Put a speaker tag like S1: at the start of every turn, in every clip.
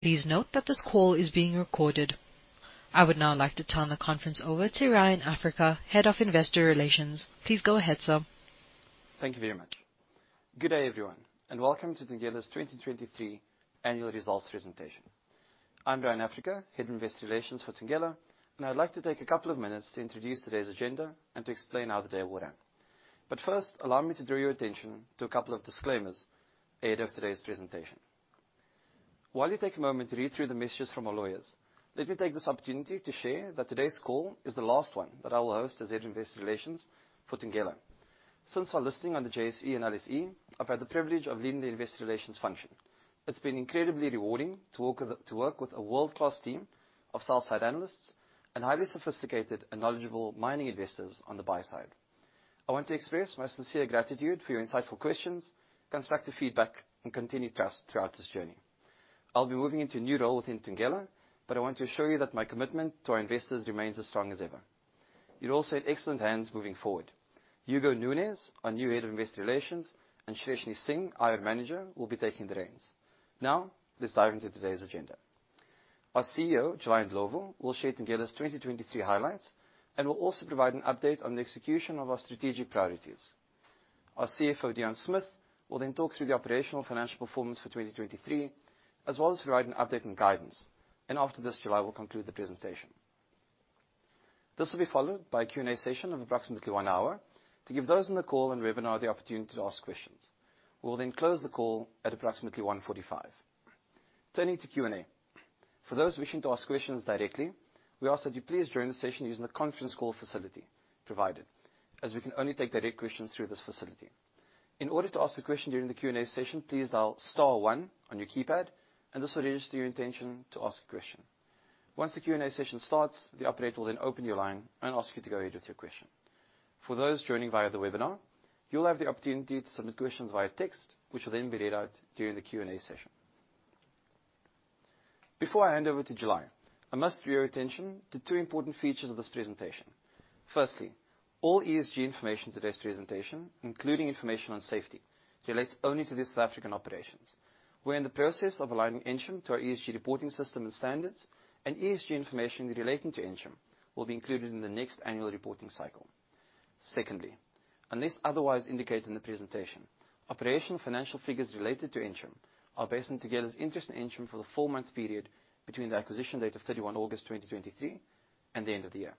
S1: Please note that this call is being recorded. I would now like to turn the conference over to Ryan Africa, Head of Investor Relations. Please go ahead, sir.
S2: Thank you very much. Good day, everyone, and welcome to Thungela's 2023 Annual Results Presentation. I'm Ryan Africa, Head of Investor Relations for Thungela, and I'd like to take a couple of minutes to introduce today's agenda and to explain how the day will run. But first, allow me to draw your attention to a couple of disclaimers ahead of today's presentation. While you take a moment to read through the messages from our lawyers, let me take this opportunity to share that today's call is the last one that I will host as Head of Investor Relations for Thungela. Since listing on the JSE and LSE, I've had the privilege of leading the Investor Relations function. It's been incredibly rewarding to work with a world-class team of sell-side analysts and highly sophisticated and knowledgeable mining investors on the buy side. I want to express my sincere gratitude for your insightful questions, constructive feedback, and continued trust throughout this journey. I'll be moving into a new role within Thungela, but I want to assure you that my commitment to our investors remains as strong as ever. You're also in excellent hands moving forward. Hugo Nunes, our new Head of Investor Relations, and Shreyasi Singh, our Manager, will be taking the reins. Now, let's dive into today's agenda. Our CEO, July Ndlovu, will share Thungela's 2023 highlights and will also provide an update on the execution of our strategic priorities. Our CFO, Deon Smith, will then talk through the operational financial performance for 2023 as well as provide an update and guidance, and after this, July will conclude the presentation. This will be followed by a Q&A session of approximately one hour to give those in the call and webinar the opportunity to ask questions. We will then close the call at approximately 1:45. Turning to Q&A. For those wishing to ask questions directly, we ask that you please join the session using the conference call facility provided, as we can only take direct questions through this facility. In order to ask a question during the Q&A session, please dial star one on your keypad, and this will register your intention to ask a question. Once the Q&A session starts, the operator will then open your line and ask you to go ahead with your question. For those joining via the webinar, you'll have the opportunity to submit questions via text, which will then be read out during the Q&A session. Before I hand over to July, I must draw your attention to two important features of this presentation. Firstly, all ESG information in today's presentation, including information on safety, relates only to the South African operations. We're in the process of aligning Ensham to our ESG reporting system and standards, and ESG information relating to Ensham will be included in the next annual reporting cycle. Secondly, unless otherwise indicated in the presentation, operational financial figures related to Ensham are based on Thungela's interest in Ensham for the full month period between the acquisition date of 31 August 2023 and the end of the year.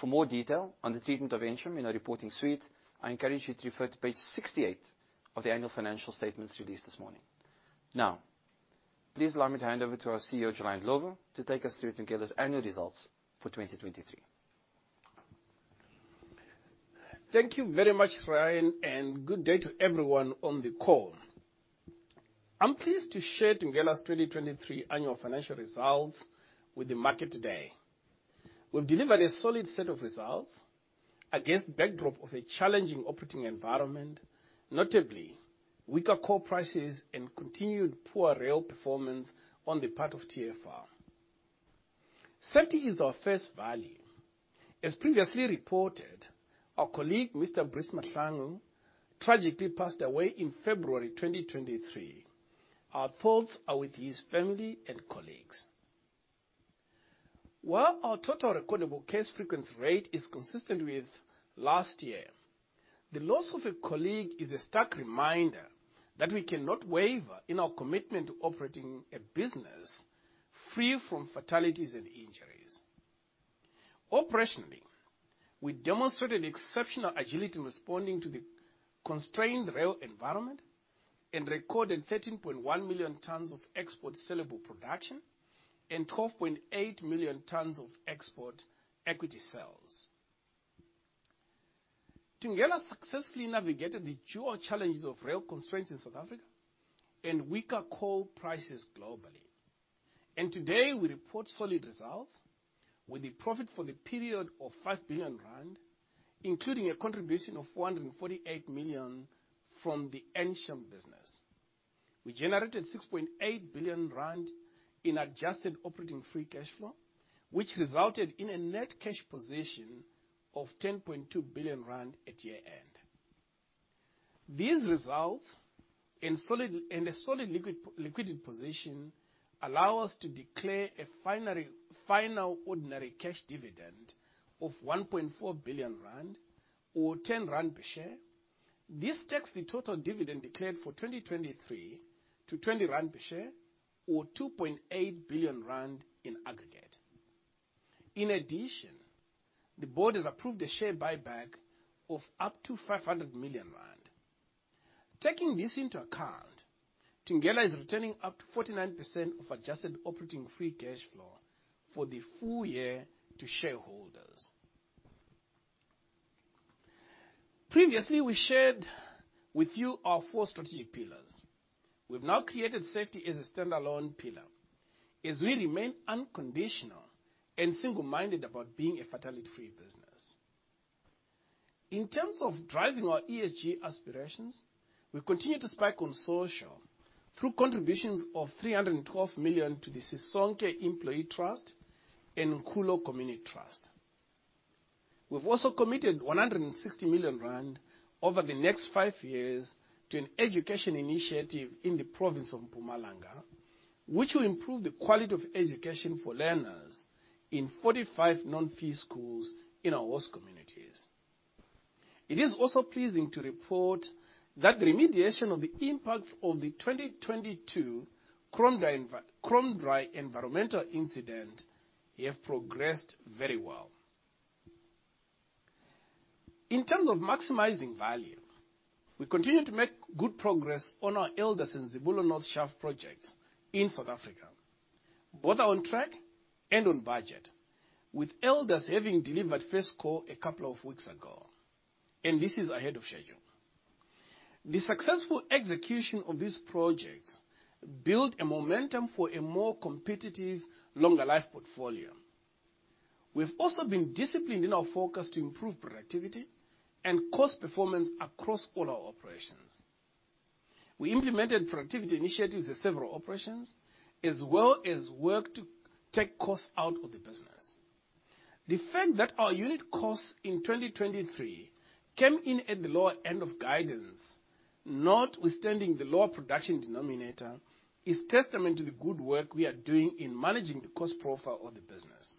S2: For more detail on the treatment of Ensham in our reporting suite, I encourage you to refer to page 68 of the annual financial statements released this morning. Now, please allow me to hand over to our CEO, July Ndlovu, to take us through Thungela's annual results for 2023.
S3: Thank you very much, Ryan, and good day to everyone on the call. I'm pleased to share Thungela's 2023 annual financial results with the market today. We've delivered a solid set of results against the backdrop of a challenging operating environment, notably weaker core prices and continued poor rail performance on the part of TFR. Safety is our first value. As previously reported, our colleague, Mr. Breeze Mahlangu, tragically passed away in February 2023. Our thoughts are with his family and colleagues. While our Total Recordable Case Frequency Rate is consistent with last year, the loss of a colleague is a stark reminder that we cannot waver in our commitment to operating a business free from fatalities and injuries. Operationally, we demonstrated exceptional agility in responding to the constrained rail environment and recorded 13.1 million tons of export saleable production and 12.8 million tons of export equity sales. Thungela successfully navigated the dual challenges of rail constraints in South Africa and weaker coal prices globally. Today, we report solid results with a profit for the period of 5 billion rand, including a contribution of 448 million from the Ensham business. We generated 6.8 billion rand in adjusted operating free cash flow, which resulted in a net cash position of 10.2 billion rand at year-end. These results and a solid liquidity position allow us to declare a final ordinary cash dividend of 1.4 billion rand or 10 rand per share. This takes the total dividend declared for 2023 to 20 rand per share, or 2.8 billion rand in aggregate. In addition, the board has approved a share buyback of up to 500 million rand. Taking this into account, Thungela is returning up to 49% of adjusted operating free cash flow for the full year to shareholders. Previously, we shared with you our four strategic pillars. We've now created safety as a standalone pillar, as we remain unconditional and single-minded about being a fatality-free business. In terms of driving our ESG aspirations, we continue to spike on social through contributions of 312 million to the Sisonke Employee Trust and Nkulo Community Trust. We've also committed 160 million rand over the next five years to an education initiative in the province of Mpumalanga, which will improve the quality of education for learners in 45 non-fee schools in our host communities. It is also pleasing to report that the remediation of the impacts of the 2022 Kromdraai environmental incident have progressed very well. In terms of maximizing value, we continue to make good progress on our Elders and Zibulo North Shaft projects in South Africa, both on track and on budget, with Elders having delivered first core a couple of weeks ago, and this is ahead of schedule. The successful execution of these projects built a momentum for a more competitive, longer-life portfolio. We've also been disciplined in our focus to improve productivity and cost performance across all our operations. We implemented productivity initiatives at several operations as well as worked to take costs out of the business. The fact that our unit costs in 2023 came in at the lower end of guidance, notwithstanding the lower production denominator, is testament to the good work we are doing in managing the cost profile of the business.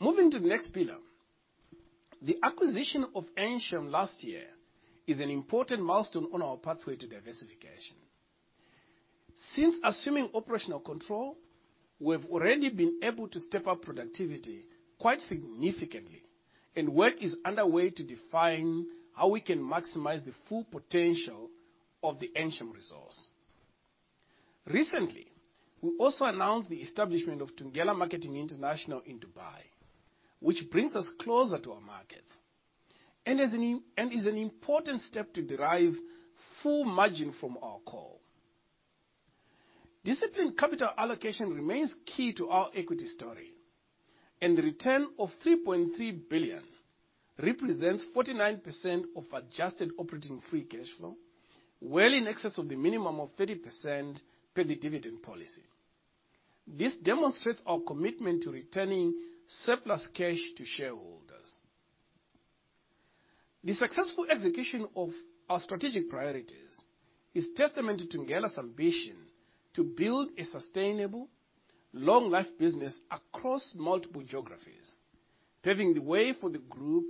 S3: Moving to the next pillar, the acquisition of Ensham last year is an important milestone on our pathway to diversification. Since assuming operational control, we've already been able to step up productivity quite significantly, and work is underway to define how we can maximize the full potential of the Ensham resource. Recently, we also announced the establishment of Thungela Marketing International in Dubai, which brings us closer to our markets and is an important step to derive full margin from our core. Disciplined capital allocation remains key to our equity story, and the return of 3.3 billion represents 49% of adjusted operating free cash flow, well in excess of the minimum of 30% per the dividend policy. This demonstrates our commitment to returning surplus cash to shareholders. The successful execution of our strategic priorities is testament to Thungela's ambition to build a sustainable, long-life business across multiple geographies, paving the way for the group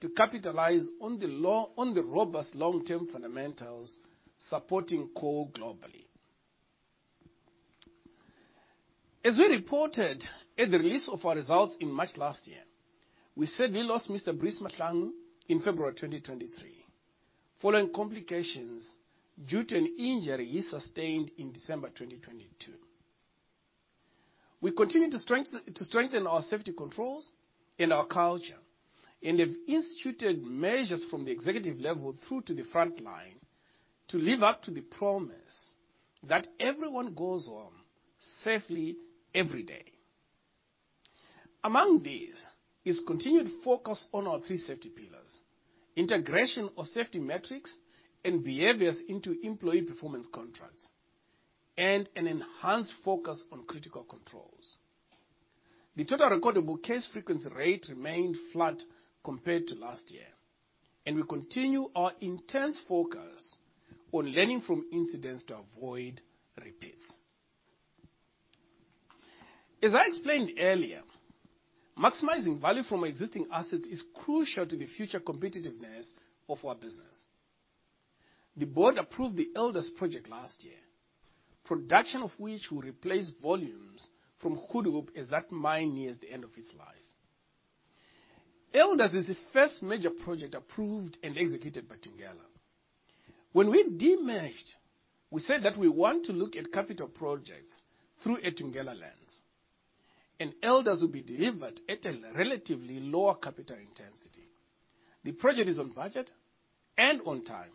S3: to capitalize on the robust long-term fundamentals supporting coal globally. As we reported at the release of our results in March last year, we said we lost Mr. Brice Matangu in February 2023 following complications due to an injury he sustained in December 2022. We continue to strengthen our safety controls and our culture, and have instituted measures from the executive level through to the front line to live up to the promise that everyone goes home safely every day. Among these is continued focus on our three safety pillars: integration of safety metrics and behaviors into employee performance contracts, and an enhanced focus on critical controls. The Total Recordable Case Frequency Rate remained flat compared to last year, and we continue our intense focus on learning from incidents to avoid repeats. As I explained earlier, maximizing value from existing assets is crucial to the future competitiveness of our business. The board approved the Elders project last year, production of which will replace volumes from Goedehoop as that mine near the end of its life. Elders is the first major project approved and executed by Thungela. When we demerged, we said that we want to look at capital projects through a Thungela lens, and Elders will be delivered at a relatively lower capital intensity. The project is on budget and on time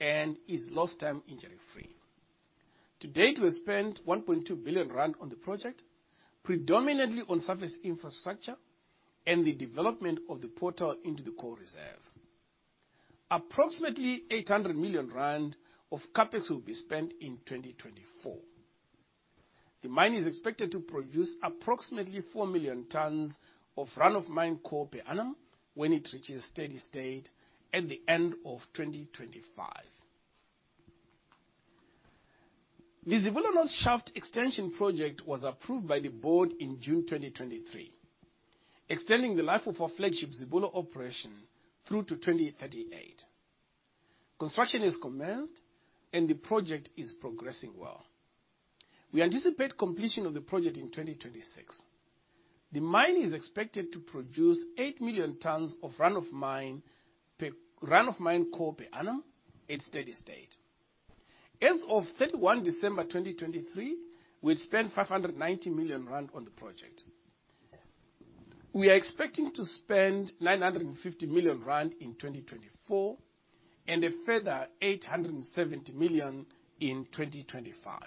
S3: and is Lost-Time Injury-free. To date, we have spent 1.2 billion rand on the project, predominantly on surface infrastructure and the development of the portal into the core reserve. Approximately 800 million rand of CAPEX will be spent in 2024. The mine is expected to produce approximately 4 million tons of run-of-mine coal per annum when it reaches steady state at the end of 2025. The Zibulo North Shaft extension project was approved by the board in June 2023, extending the life of our flagship Zibulo operation through to 2038. Construction has commenced, and the project is progressing well. We anticipate completion of the project in 2026. The mine is expected to produce 8 million tons of run-of-mine coal per annum at steady state. As of 31 December 2023, we had spent 590 million rand on the project. We are expecting to spend 950 million rand in 2024 and a further 870 million in 2025.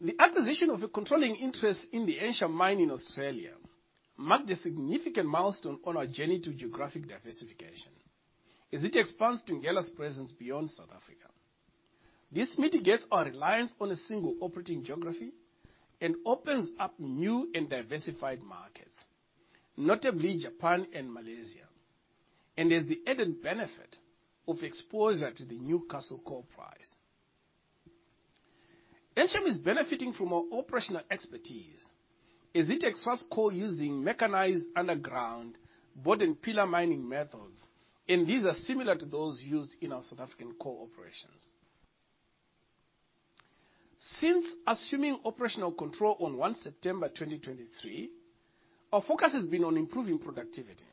S3: The acquisition of a controlling interest in the Ensham mine in Australia marked a significant milestone on our journey to geographic diversification, as it expands Thungela's presence beyond South Africa. This mitigates our reliance on a single operating geography and opens up new and diversified markets, notably Japan and Malaysia, and has the added benefit of exposure to the Newcastle Coal price. Ensham is benefiting from our operational expertise, as it extracts coal using mechanized underground bord-and-pillar mining methods, and these are similar to those used in our South African core operations. Since assuming operational control on 1 September 2023, our focus has been on improving productivity,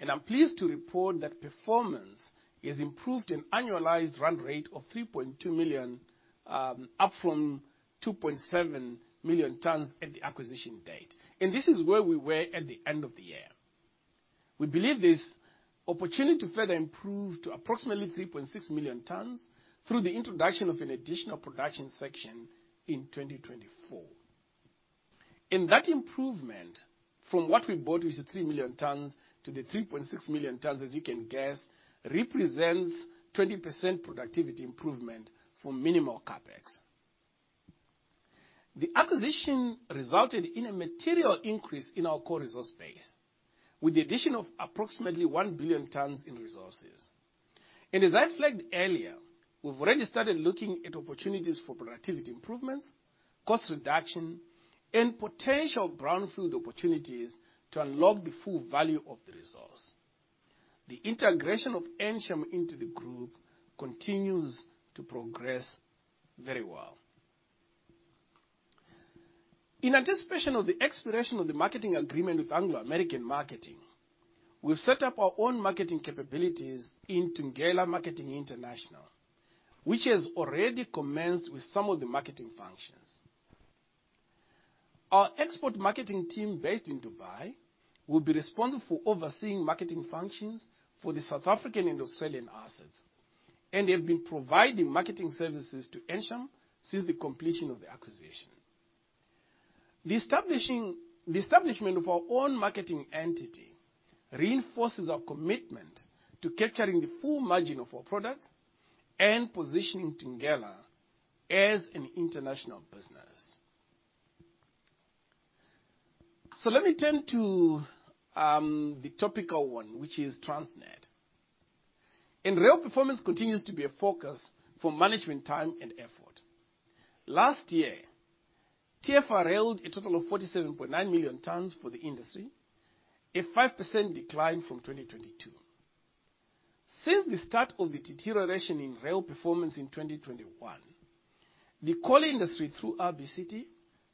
S3: and I'm pleased to report that performance has improved an annualized run rate of 3.2 million tons, up from 2.7 million tons at the acquisition date. This is where we were at the end of the year. We believe this opportunity to further improve to approximately 3.6 million tons through the introduction of an additional production section in 2024. That improvement from what we bought, which is 3 million tons-3.6 million tons, as you can guess, represents 20% productivity improvement for minimal CapEx. The acquisition resulted in a material increase in our core resource base, with the addition of approximately 1 billion tons in resources. And as I flagged earlier, we've already started looking at opportunities for productivity improvements, cost reduction, and potential brownfield opportunities to unlock the full value of the resource. The integration of Ensham into the group continues to progress very well. In anticipation of the expiration of the marketing agreement with Anglo American Marketing, we've set up our own marketing capabilities in Thungela Marketing International, which has already commenced with some of the marketing functions. Our export marketing team based in Dubai will be responsible for overseeing marketing functions for the South African and Australian assets, and have been providing marketing services to Ensham since the completion of the acquisition. The establishment of our own marketing entity reinforces our commitment to capturing the full margin of our products and positioning Thungela as an international business. Let me turn to the topical one, which is Transnet. Rail performance continues to be a focus for management time and effort. Last year, TFR hauled a total of 47.9 million tons for the industry, a 5% decline from 2022. Since the start of the deterioration in rail performance in 2021, the coal industry through RBCT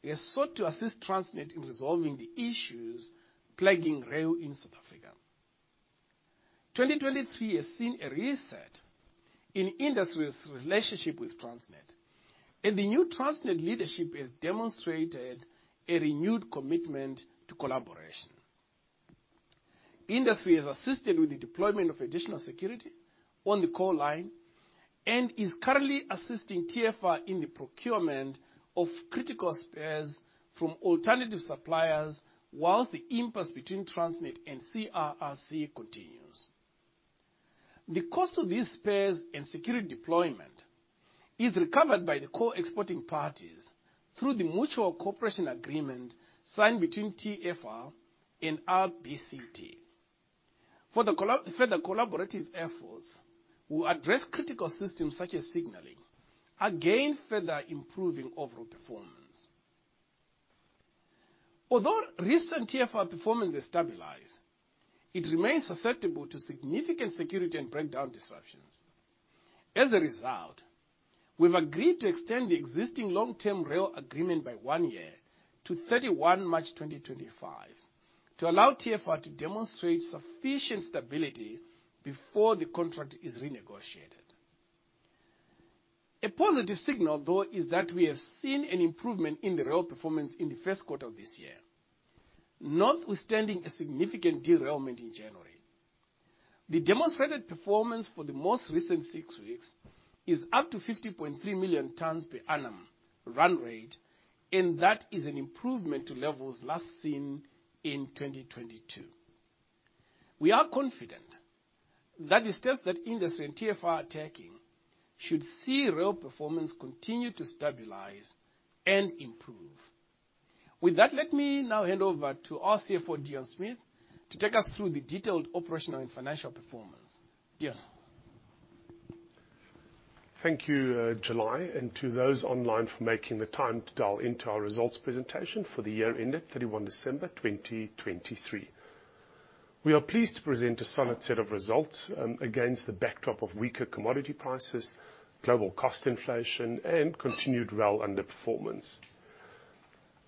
S3: has sought to assist Transnet in resolving the issues plaguing rail in South Africa. 2023 has seen a reset in the industry's relationship with Transnet, and the new Transnet leadership has demonstrated a renewed commitment to collaboration. Industry has assisted with the deployment of additional security on the coal line and is currently assisting TFR in the procurement of critical spares from alternative suppliers while the impasse between Transnet and CRRC continues. The cost of these spares and security deployment is recovered by the core exporting parties through the mutual cooperation agreement signed between TFR and RBCT. For the further collaborative efforts, we'll address critical systems such as signaling again, further improving overall performance. Although recent TFR performance has stabilized, it remains susceptible to significant security and breakdown disruptions. As a result, we've agreed to extend the existing long-term rail agreement by one year to 31 March 2025 to allow TFR to demonstrate sufficient stability before the contract is renegotiated. A positive signal, though, is that we have seen an improvement in the rail performance in the first quarter of this year, notwithstanding a significant derailment in January. The demonstrated performance for the most recent six weeks is up to 50.3 million tons per annum run rate, and that is an improvement to levels last seen in 2022. We are confident that the steps that industry and TFR are taking should see rail performance continue to stabilize and improve. With that, let me now hand over to our CFO, Deon Smith, to take us through the detailed operational and financial performance. Deon.
S4: Thank you, July, and to those online for making the time to dial into our results presentation for the year ended 31 December 2023. We are pleased to present a solid set of results against the backdrop of weaker commodity prices, global cost inflation, and continued rail underperformance.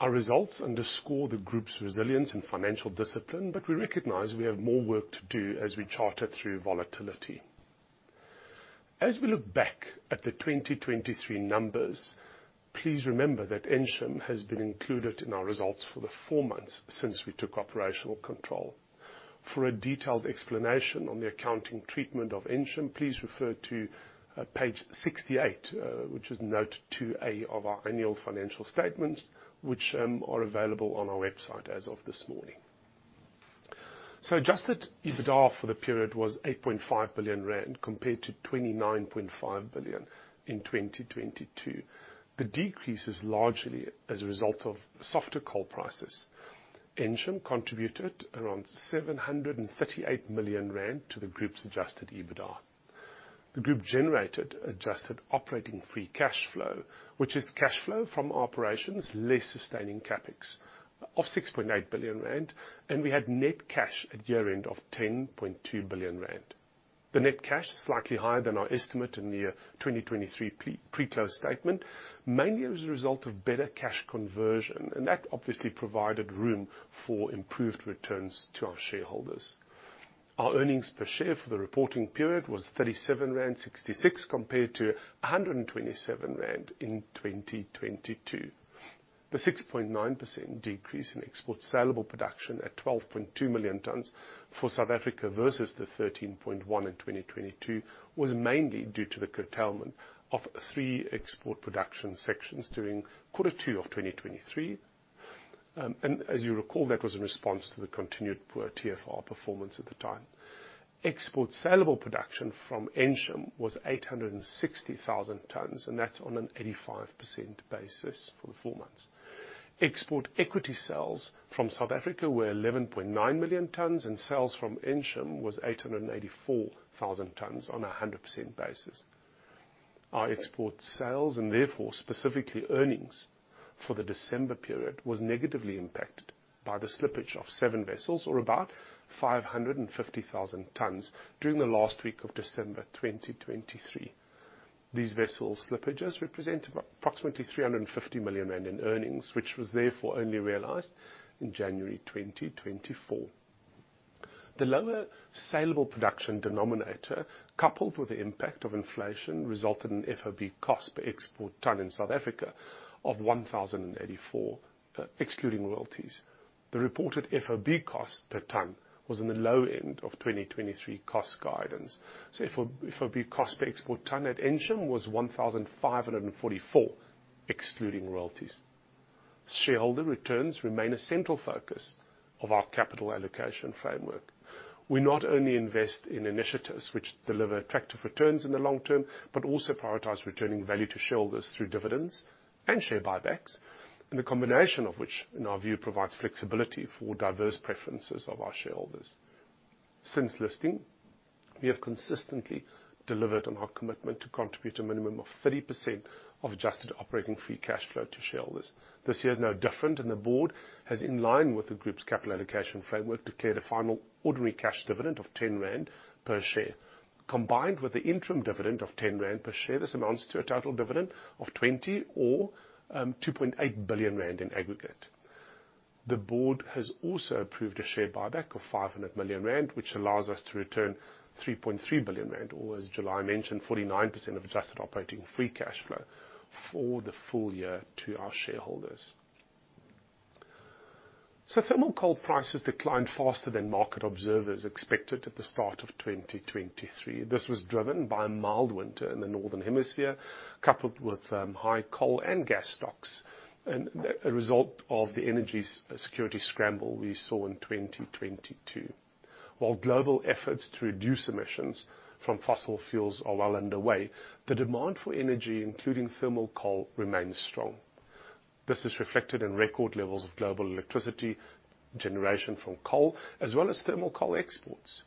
S4: Our results underscore the group's resilience and financial discipline, but we recognize we have more work to do as we charter through volatility. As we look back at the 2023 numbers, please remember that Ensham has been included in our results for the four months since we took operational control. For a detailed explanation on the accounting treatment of Ensham, please refer to page 68, which is note 2A of our annual financial statements, which are available on our website as of this morning. So Adjusted EBITDA for the period was 8.5 billion rand compared to 29.5 billion in 2022. The decrease is largely as a result of softer coal prices. Ensham contributed around 738 million rand to the group's Adjusted EBITDA. The group generated Adjusted Operating Free Cash Flow, which is cash flow from operations less sustaining CapEx of 6.8 billion rand, and we had net cash at year-end of 10.2 billion rand. The net cash, slightly higher than our estimate in the year 2023 pre-close statement, mainly as a result of better cash conversion, and that obviously provided room for improved returns to our shareholders. Our earnings per share for the reporting period was 37.66 rand compared to 127 rand in 2022. The 6.9% decrease in export-salable production at 12.2 million tons for South Africa versus the 13.1 in 2022 was mainly due to the curtailment of three export production sections during quarter two of 2023. As you recall, that was in response to the continued poor TFR performance at the time. Export-salable production from Ensham was 860,000 tons, and that's on an 85% basis for the four months. Export equity sales from South Africa were 11.9 million tons, and sales from Ensham were 884,000 tons on a 100% basis. Our export sales, and therefore specifically earnings for the December period, were negatively impacted by the slippage of seven vessels, or about 550,000 tons, during the last week of December 2023. These vessel slippages represented approximately 350 million rand in earnings, which was therefore only realized in January 2024. The lower salable production denominator, coupled with the impact of inflation, resulted in FOB cost per export tonne in South Africa of 1,084, excluding royalties. The reported FOB cost per tonne was in the low end of 2023 cost guidance. FOB cost per export tonne at Ensham was 1,544, excluding royalties. Shareholder returns remain a central focus of our capital allocation framework. We not only invest in initiatives which deliver attractive returns in the long term, but also prioritize returning value to shareholders through dividends and share buybacks, and the combination of which, in our view, provides flexibility for diverse preferences of our shareholders. Since listing, we have consistently delivered on our commitment to contribute a minimum of 30% of Adjusted Operating Free Cash Flow to shareholders. This year is no different, and the board has, in line with the group's capital allocation framework, declared a final ordinary cash dividend of 10 rand per share. Combined with the interim dividend of 10 rand per share, this amounts to a total dividend of 20 or 2.8 billion rand in aggregate. The board has also approved a share buyback of 500 million rand, which allows us to return 3.3 billion rand, or, as July mentioned, 49% of Adjusted Operating Free Cash Flow for the full year to our shareholders. Thermal coal prices declined faster than market observers expected at the start of 2023. This was driven by a mild winter in the northern hemisphere, coupled with high coal and gas stocks, a result of the energy security scramble we saw in 2022. While global efforts to reduce emissions from fossil fuels are well underway, the demand for energy, including thermal coal, remains strong. This is reflected in record levels of global electricity generation from coal, as well as thermal coal exports.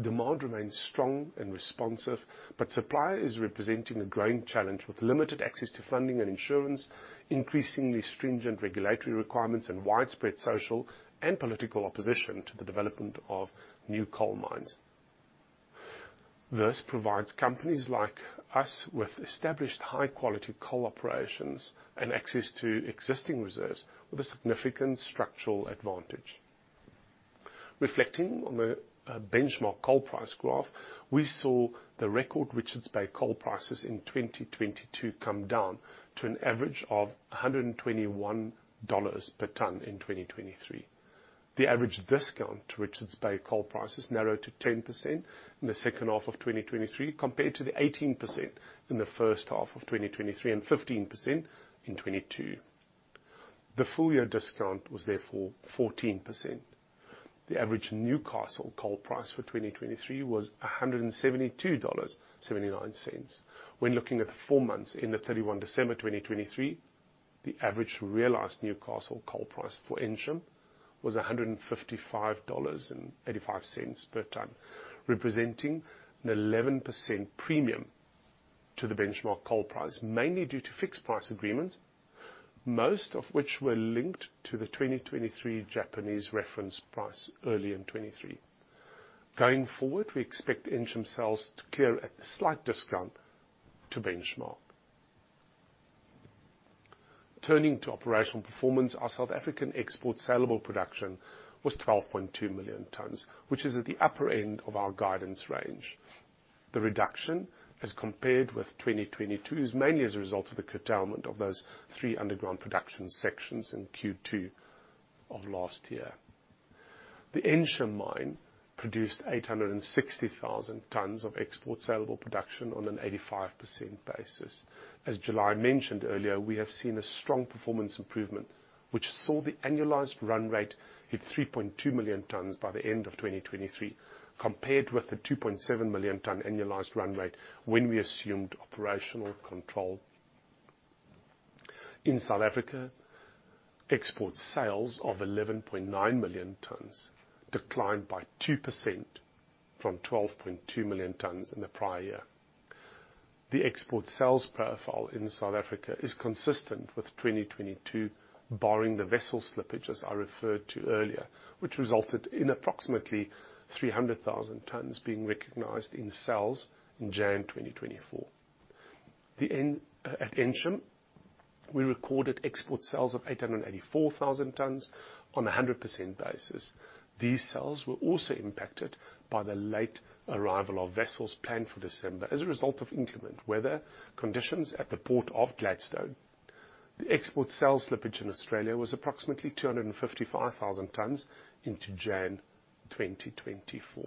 S4: Demand remains strong and responsive, but supply is representing a growing challenge with limited access to funding and insurance, increasingly stringent regulatory requirements, and widespread social and political opposition to the development of new coal mines. This provides companies like us with established high-quality coal operations and access to existing reserves with a significant structural advantage. Reflecting on the beEnshamark coal price graph, we saw the record Richards Bay coal prices in 2022 come down to an average of $121 per tonne in 2023. The average discount to Richards Bay coal prices narrowed to 10% in the second half of 2023 compared to the 18% in the first half of 2023 and 15% in 2022. The full-year discount was therefore 14%. The average Newcastle coal price for 2023 was $172.79. When looking at the four months ended 31 December 2023, the average realized Newcastle coal price for Ensham was $155.85 per tonne, representing an 11% premium to the beEnshamark coal price, mainly due to fixed price agreements, most of which were linked to the 2023 Japanese reference price early in 2023. Going forward, we expect Ensham sales to clear at the slight discount to beEnshamark. Turning to operational performance, our South African export-salable production was 12.2 million tonnes, which is at the upper end of our guidance range. The reduction, as compared with 2022, is mainly as a result of the curtailment of those three underground production sections in Q2 of last year. The Ensham mine produced 860,000 tons of export-salable production on an 85% basis. As July mentioned earlier, we have seen a strong performance improvement, which saw the annualized run rate hit 3.2 million tonnes by the end of 2023 compared with the 2.7 million tonne annualized run rate when we assumed operational control. In South Africa, export sales of 11.9 million tonne declined by 2% from 12.2 million tonne in the prior year. The export sales profile in South Africa is consistent with 2022, barring the vessel slippage as I referred to earlier, which resulted in approximately 300,000 tonne being recognized in sales in January 2024. At Ensham, we recorded export sales of 884,000 tonne on a 100% basis. These sales were also impacted by the late arrival of vessels planned for December as a result of inclement weather conditions at the port of Gladstone. The export sales slippage in Australia was approximately 255,000 tonne into January 2024.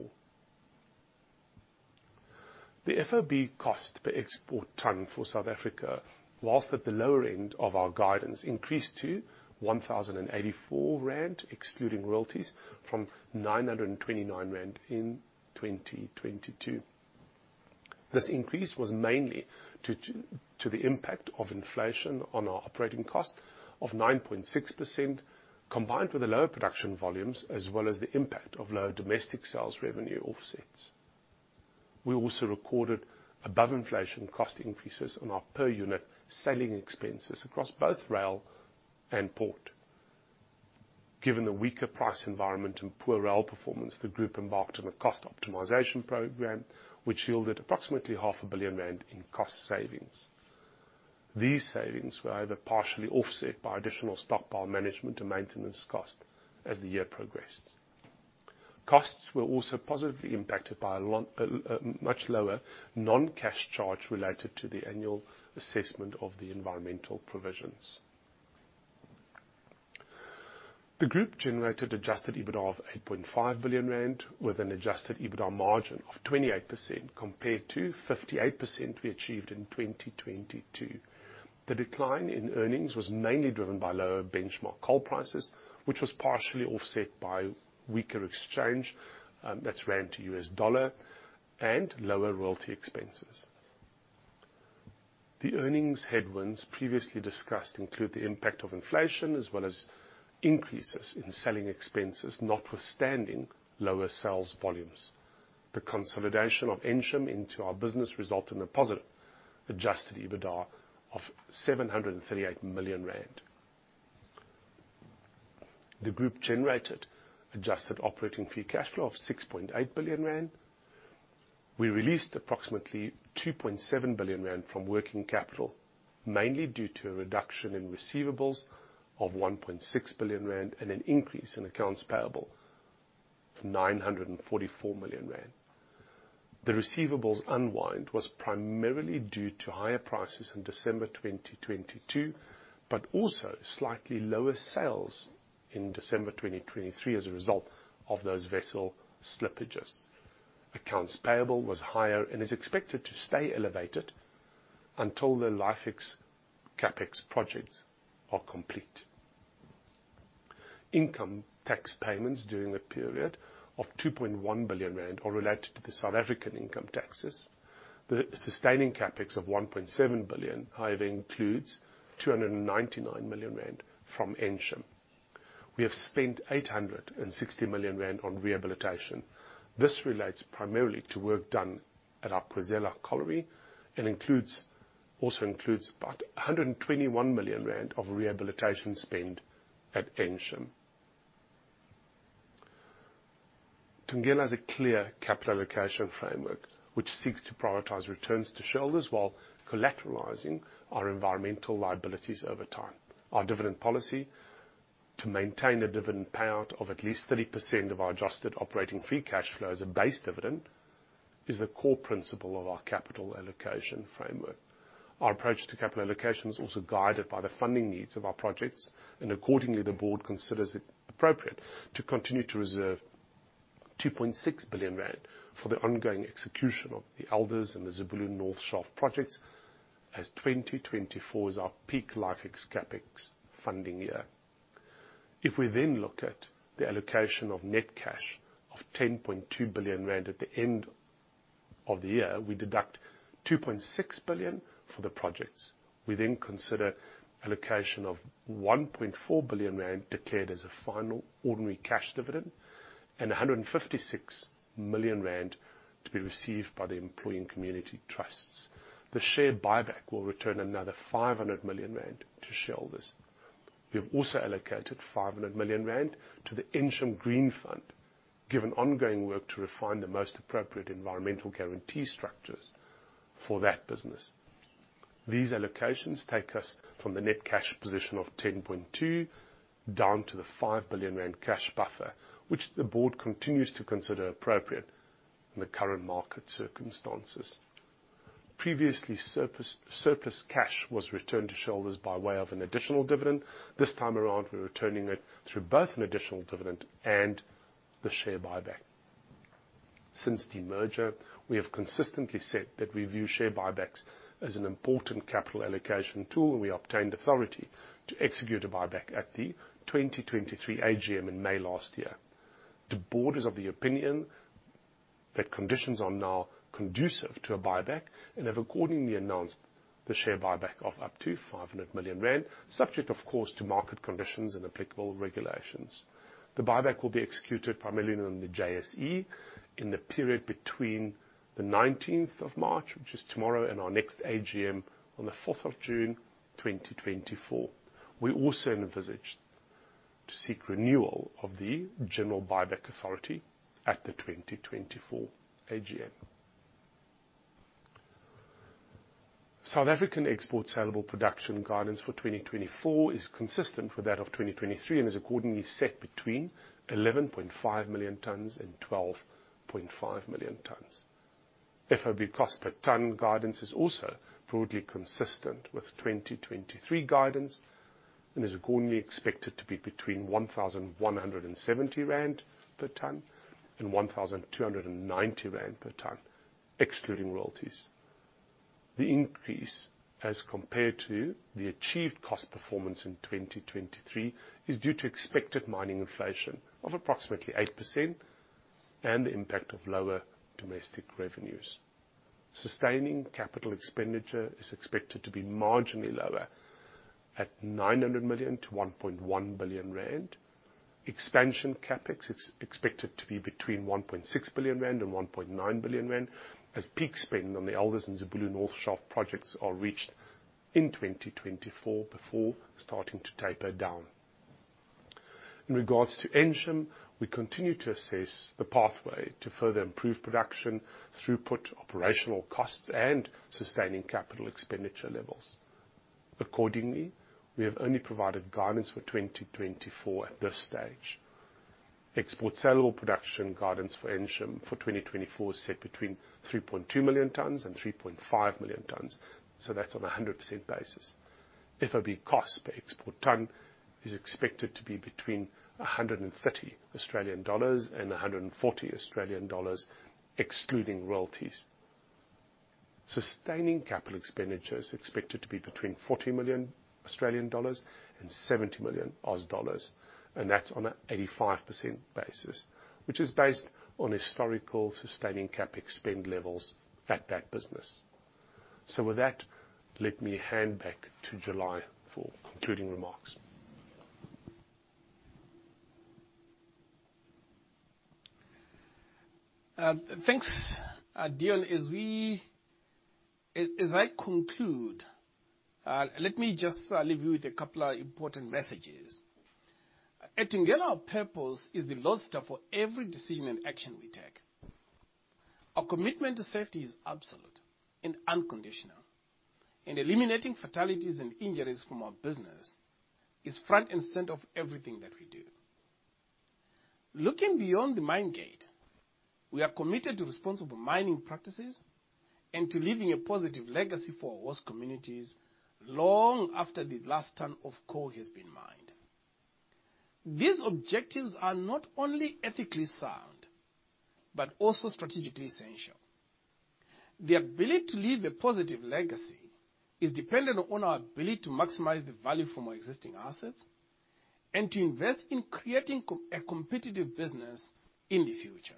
S4: The FOB cost per export tonne for South Africa, while at the lower end of our guidance, increased to 1,084 rand, excluding royalties, from 929 rand in 2022. This increase was mainly due to the impact of inflation on our operating cost of 9.6%, combined with the lower production volumes as well as the impact of lower domestic sales revenue offsets. We also recorded above-inflation cost increases on our per-unit selling expenses across both rail and port. Given the weaker price environment and poor rail performance, the group embarked on a cost optimization program, which yielded approximately 500 million rand in cost savings. These savings were, however, partially offset by additional stockpile management and maintenance costs as the year progressed. Costs were also positively impacted by a much lower non-cash charge related to the annual assessment of the environmental provisions. The group generated Adjusted EBITDA of 8.5 billion rand, with an Adjusted EBITDA margin of 28% compared to 58% we achieved in 2022. The decline in earnings was mainly driven by lower beEnshamark coal prices, which was partially offset by weaker exchange rand to US dollar and lower royalty expenses. The earnings headwinds previously discussed include the impact of inflation as well as increases in selling expenses notwithstanding lower sales volumes. The consolidation of Ensham into our business resulted in a positive Adjusted EBITDA of 738 million rand. The group generated Adjusted Operating Free Cash Flow of 6.8 billion rand. We released approximately 2.7 billion rand from working capital, mainly due to a reduction in receivables of 1.6 billion rand and an increase in accounts payable of 944 million rand. The receivables unwind was primarily due to higher prices in December 2022, but also slightly lower sales in December 2023 as a result of those vessel slippages. Accounts payable was higher and is expected to stay elevated until the LIFEX CAPEX projects are complete. Income tax payments during the period of 2.1 billion rand are related to the South African income taxes. The sustaining CAPEX of 1.7 billion, however, includes 299 million rand from Ensham. We have spent 860 million rand on rehabilitation. This relates primarily to work done at our Khwezela Colliery and also includes about 121 million rand of rehabilitation spend at Ensham. Thungela has a clear capital allocation framework, which seeks to prioritize returns to shareholders while collateralizing our environmental liabilities over time. Our dividend policy, to maintain a dividend payout of at least 30% of our adjusted operating free cash flow as a base dividend, is the core principle of our capital allocation framework. Our approach to capital allocation is also guided by the funding needs of our projects, and accordingly, the board considers it appropriate to continue to reserve 2.6 billion rand for the ongoing execution of the Elders and the Zibulo North Shaft projects as 2024 is our peak LIFEX CapEx funding year. If we then look at the allocation of net cash of 10.2 billion rand at the end of the year, we deduct 2.6 billion for the projects. We then consider allocation of 1.4 billion rand declared as a final ordinary cash dividend and 156 million rand to be received by the employee and community trusts. The share buyback will return another 500 million rand to shareholders. We have also allocated 500 million rand to the Ensham Green Fund, given ongoing work to refine the most appropriate environmental guarantee structures for that business. These allocations take us from the net cash position of 10.2 billion down to the 5 billion rand cash buffer, which the board continues to consider appropriate in the current market circumstances. Previously, surplus cash was returned to shareholders by way of an additional dividend. This time around, we are returning it through both an additional dividend and the share buyback. Since the merger, we have consistently said that we view share buybacks as an important capital allocation tool, and we obtained authority to execute a buyback at the 2023 AGM in May last year. The board is of the opinion that conditions are now conducive to a buyback and have accordingly announced the share buyback of up to 500 million rand, subject, of course, to market conditions and applicable regulations. The buyback will be executed primarily in the JSE in the period between the 19th of March, which is tomorrow, and our next AGM on the 4th of June, 2024. We also envisage to seek renewal of the general buyback authority at the 2024 AGM. South African export-salable production guidance for 2024 is consistent with that of 2023 and is accordingly set between 11.5 million tonnes and 12.5 million tonnes. FOB cost per tonne guidance is also broadly consistent with 2023 guidance and is accordingly expected to be between 1,170 rand per tonne and 1,290 rand per tonne, excluding royalties. The increase as compared to the achieved cost performance in 2023 is due to expected mining inflation of approximately 8% and the impact of lower domestic revenues. Sustaining capital expenditure is expected to be marginally lower at 900 million-1.1 billion rand. Expansion CAPEX is expected to be between 1.6 billion-1.9 billion rand as peak spend on the Elders and Zibulo North Shaft projects are reached in 2024 before starting to taper down. In regards to Ensham, we continue to assess the pathway to further improve production throughput, operational costs, and sustaining capital expenditure levels. Accordingly, we have only provided guidance for 2024 at this stage. Export-salable production guidance for Ensham for 2024 is set between 3.2 million tonnes-3.5 million tonnes, so that is on a 100% basis. FOB cost per export tonne is expected to be between 130 Australian dollars and 140 Australian dollars, excluding royalties. Sustaining capital expenditure is expected to be between 40 million Australian dollars and 70 million dollars, and that is on an 85% basis, which is based on historical sustaining CAPEX spend levels at that business. So with that, let me hand back to July for concluding remarks.
S3: Thanks, Deon. As I conclude, let me just leave you with a couple of important messages. At Thungela, our purpose is the lodestar for every decision and action we take. Our commitment to safety is absolute and unconditional, and eliminating fatalities and injuries from our business is front and center of everything that we do. Looking beyond the mine gate, we are committed to responsible mining practices and to leaving a positive legacy for our communities long after the last tonne of coal has been mined. These objectives are not only ethically sound but also strategically essential. The ability to leave a positive legacy is dependent on our ability to maximize the value from our existing assets and to invest in creating a competitive business in the future.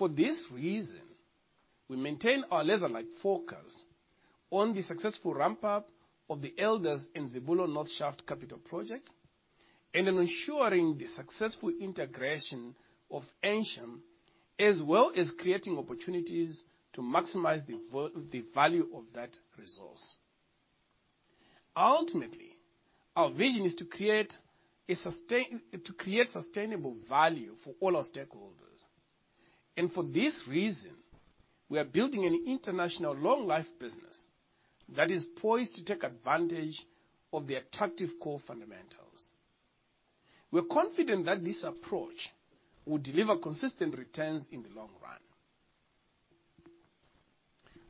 S3: For this reason, we maintain our laser-like focus on the successful ramp-up of the Elders and Zibulo North Shaft capital projects and on ensuring the successful integration of Ensham as well as creating opportunities to maximize the value of that resource. Ultimately, our vision is to create sustainable value for all our stakeholders, and for this reason, we are building an international long-life business that is poised to take advantage of the attractive core fundamentals. We are confident that this approach will deliver consistent returns in the long run.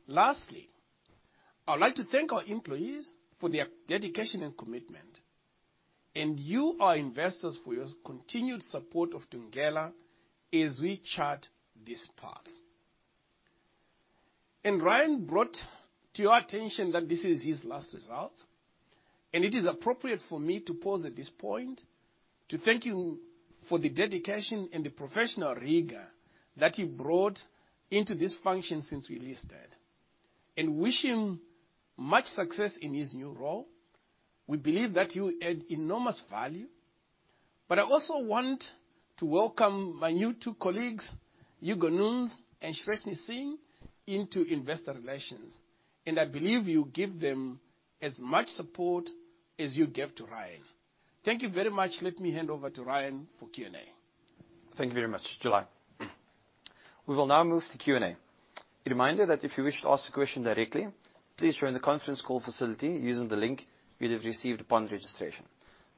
S3: Lastly, I would like to thank our employees for their dedication and commitment, and you, our investors, for your continued support of Thungela as we chart this path. Ryan brought to your attention that this is his last result, and it is appropriate for me to pause at this point to thank you for the dedication and the professional rigor that you brought into this function since we listed, and wish him much success in his new role. We believe that you add enormous value, but I also want to welcome my new two colleagues, Hugo Nunes and Shreshni Singh, into investor relations, and I believe you give them as much support as you give to Ryan. Thank you very much. Let me hand over to Ryan for Q&A.
S2: Thank you very much, July. We will now move to Q&A. A reminder that if you wish to ask a question directly, please join the conference call facility using the link you have received upon registration.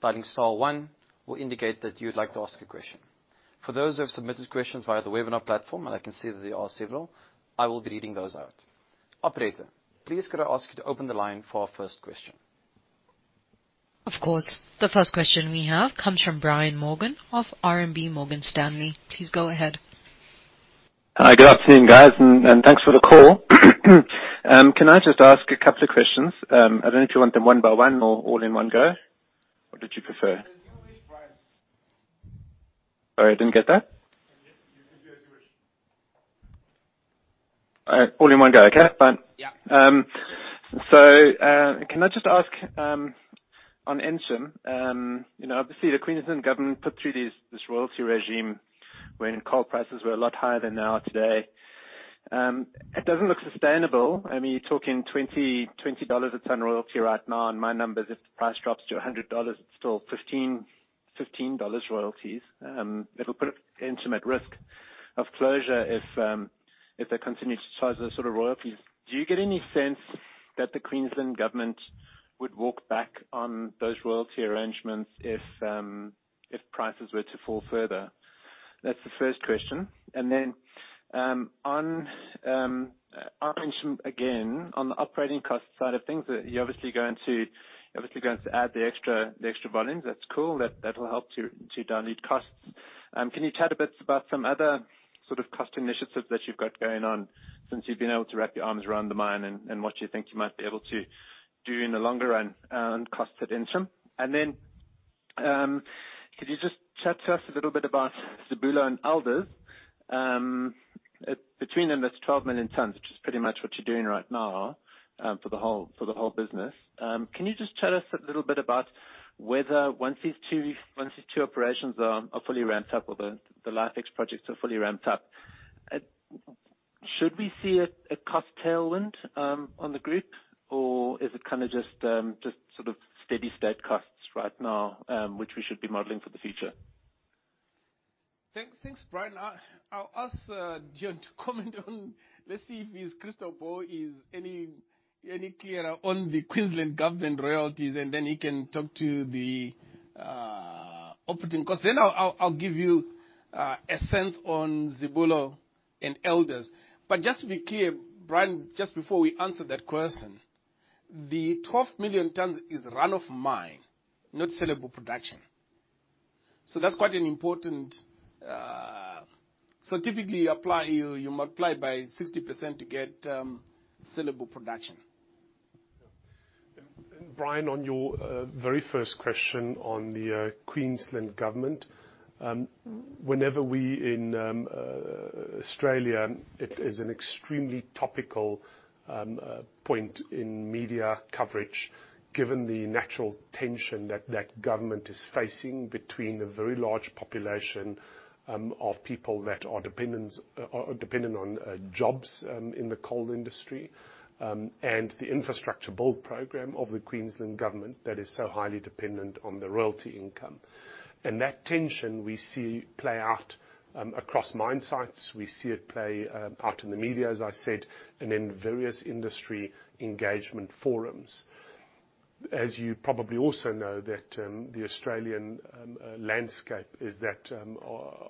S2: Press star 1 will indicate that you would like to ask a question. For those who have submitted questions via the webinar platform, and I can see that there are several, I will be reading those out. Operator, please, could I ask you to open the line for our first question?
S1: Of course. The first question we have comes from Brian Morgan of RMB Morgan Stanley. Please go ahead.
S5: Good afternoon, guys, and thanks for the call. Can I just ask a couple of questions? I don't know if you want them one by one or all in one go. What did you prefer? Sorry, I didn't get that.
S3: All in one go, okay? Fine. So can I just ask on Ensham? Obviously, the Queensland government put through this royalty regime when coal prices were a lot higher than they are today. It doesn't look sustainable. I mean, you're talking $20 a tonne royalty right now, and my numbers, if the price drops to $100, it's still $15 royalties. It will put Ensham at risk of closure if they continue to charge those sort of royalties. Do you get any sense that the Queensland government would walk back on those royalty arrangements if prices were to fall further? That's the first question. And then on Ensham, again, on the operating cost side of things, you're obviously going to add the extra volumes. That's cool. That will help to dilute costs. Can you chat a bit about some other sort of cost initiatives that you've got going on since you've been able to wrap your arms around the mine and what you think you might be able to do in the longer run on costs at Ensham? And then could you just chat to us a little bit about Zibulo and Elders? Between them, that's 12 million tons, which is pretty much what you're doing right now for the whole business. Can you just chat us a little bit about whether once these two operations are fully ramped up or the LIFEX projects are fully ramped up, should we see a cost tailwind on the group, or is it kind of just sort of steady-state costs right now, which we should be modeling for the future? Thanks, Brian. I'll ask Deon to comment on, let's see, if Mr. Bowe is any clearer on the Queensland government royalties, and then he can talk to the operating costs. Then I'll give you a sense on Zibulo and Elders. But just to be clear, Brian, just before we answer that question, the 12 million tonnes is run-of-mine, not sellable production. So that's quite an important, so typically, you multiply by 60% to get sellable production.
S4: Brian, on your very first question on the Queensland government, whenever we're in Australia, it is an extremely topical point in media coverage given the natural tension that that government is facing between a very large population of people that are dependent on jobs in the coal industry and the infrastructure build program of the Queensland government that is so highly dependent on the royalty income. That tension, we see play out across mine sites. We see it play out in the media, as I said, and in various industry engagement forums. As you probably also know, the Australian landscape is that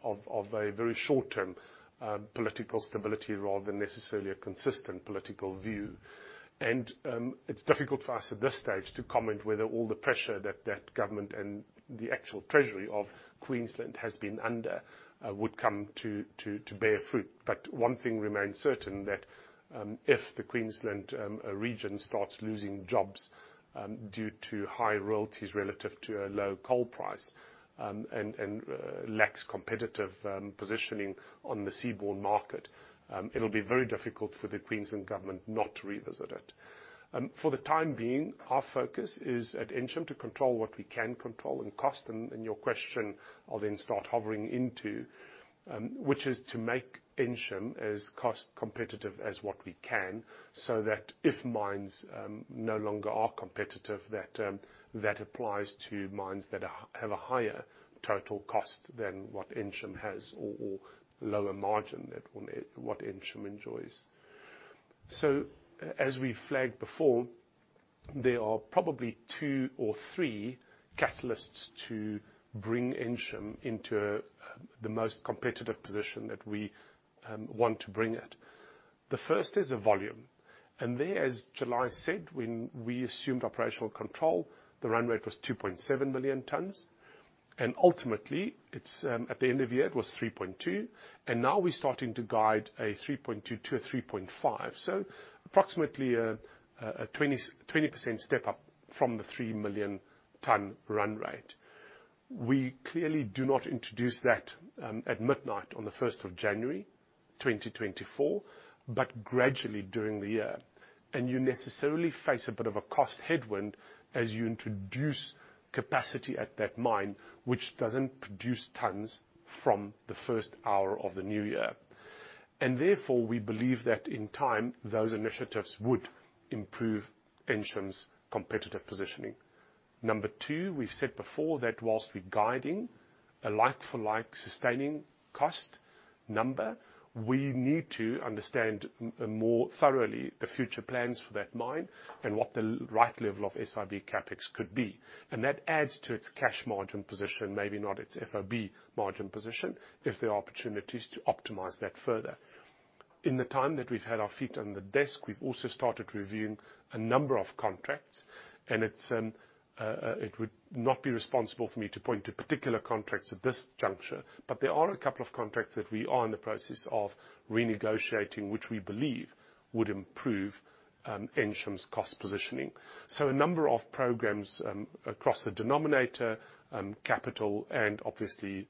S4: of a very short-term political stability rather than necessarily a consistent political view. It's difficult for us at this stage to comment whether all the pressure that that government and the actual Treasury of Queensland has been under would come to bear fruit. But one thing remains certain, that if the Queensland region starts losing jobs due to high royalties relative to a low coal price and lacks competitive positioning on the seaborne market, it'll be very difficult for the Queensland government not to revisit it. For the time being, our focus is at Ensham to control what we can control in cost, and your question I'll then start hovering into, which is to make Ensham as cost-competitive as what we can so that if mines no longer are competitive, that applies to mines that have a higher total cost than what Ensham has or lower margin than what Ensham enjoys. So as we flagged before, there are probably two or three catalysts to bring Ensham into the most competitive position that we want to bring it. The first is the volume. There, as July said, when we assumed operational control, the run rate was 2.7 million tonnes. Ultimately, at the end of the year, it was 3.2, and now we're starting to guide a 3.2-3.5, so approximately a 20% step up from the 3 million-tonne run rate. We clearly do not introduce that at midnight on the 1st of January, 2024, but gradually during the year. You necessarily face a bit of a cost headwind as you introduce capacity at that mine, which doesn't produce tonnes from the first hour of the new year. Therefore, we believe that in time, those initiatives would improve Ensham's competitive positioning. Number two, we've said before that while we're guiding a like-for-like sustaining cost number, we need to understand more thoroughly the future plans for that mine and what the right level of sust CapEx could be. That adds to its cash margin position, maybe not its FOB margin position, if there are opportunities to optimize that further. In the time that we've had our feet on the desk, we've also started reviewing a number of contracts, and it would not be responsible for me to point to particular contracts at this juncture, but there are a couple of contracts that we are in the process of renegotiating, which we believe would improve Ensham's cost positioning. So a number of programs across the denominator, capital, and obviously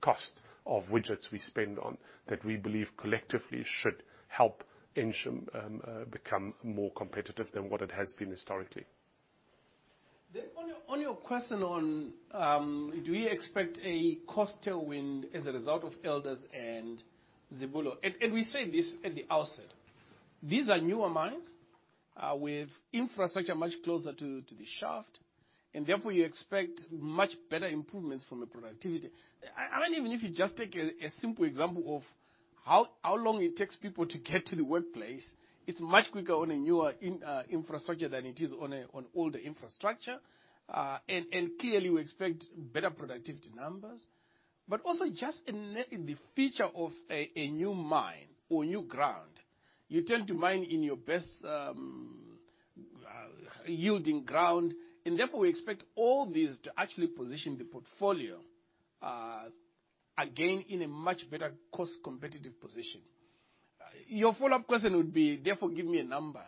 S4: cost of widgets we spend on that we believe collectively should help Ensham become more competitive than what it has been historically.
S2: Then on your question on do we expect a cost tailwind as a result of Elders and Zibulo and we say this at the outset. These are newer mines with infrastructure much closer to the shaft, and therefore, you expect much better improvements from a productivity I mean, even if you just take a simple example of how long it takes people to get to the workplace, it's much quicker on a newer infrastructure than it is on older infrastructure. And clearly, we expect better productivity numbers. But also just in the future of a new mine or new ground, you tend to mine in your best-yielding ground, and therefore, we expect all these to actually position the portfolio again in a much better cost-competitive position. Your follow-up question would be, therefore, give me a number.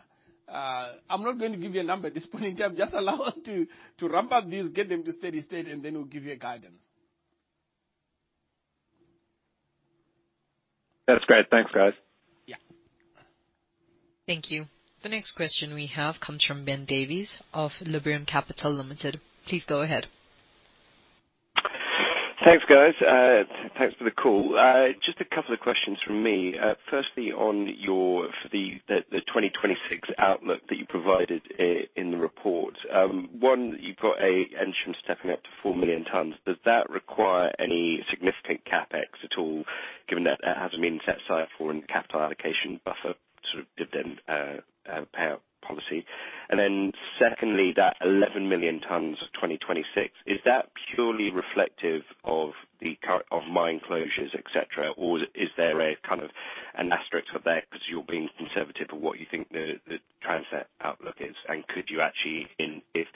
S2: I'm not going to give you a number at this point in time. Just allow us to ramp up these, get them to steady-state, and then we'll give you guidance.
S5: That's great. Thanks, guys.
S2: Yeah.
S1: Thank you. The next question we have comes from Ben Davis of Liberum Capital Limited. Please go ahead.
S6: Thanks, guys. Thanks for the call. Just a couple of questions from me. Firstly, for the 2026 outlook that you provided in the report, one, you've got Ensham stepping up to 4 million tonnes. Does that require any significant CapEx at all given that that hasn't been set aside for in capital allocation buffer sort of dividend payout policy? And then secondly, that 11 million tonnes 2026, is that purely reflective of mine closures, etc., or is there kind of an asterisk up there because you're being conservative of what you think the Transnet outlook is? And could you actually. In if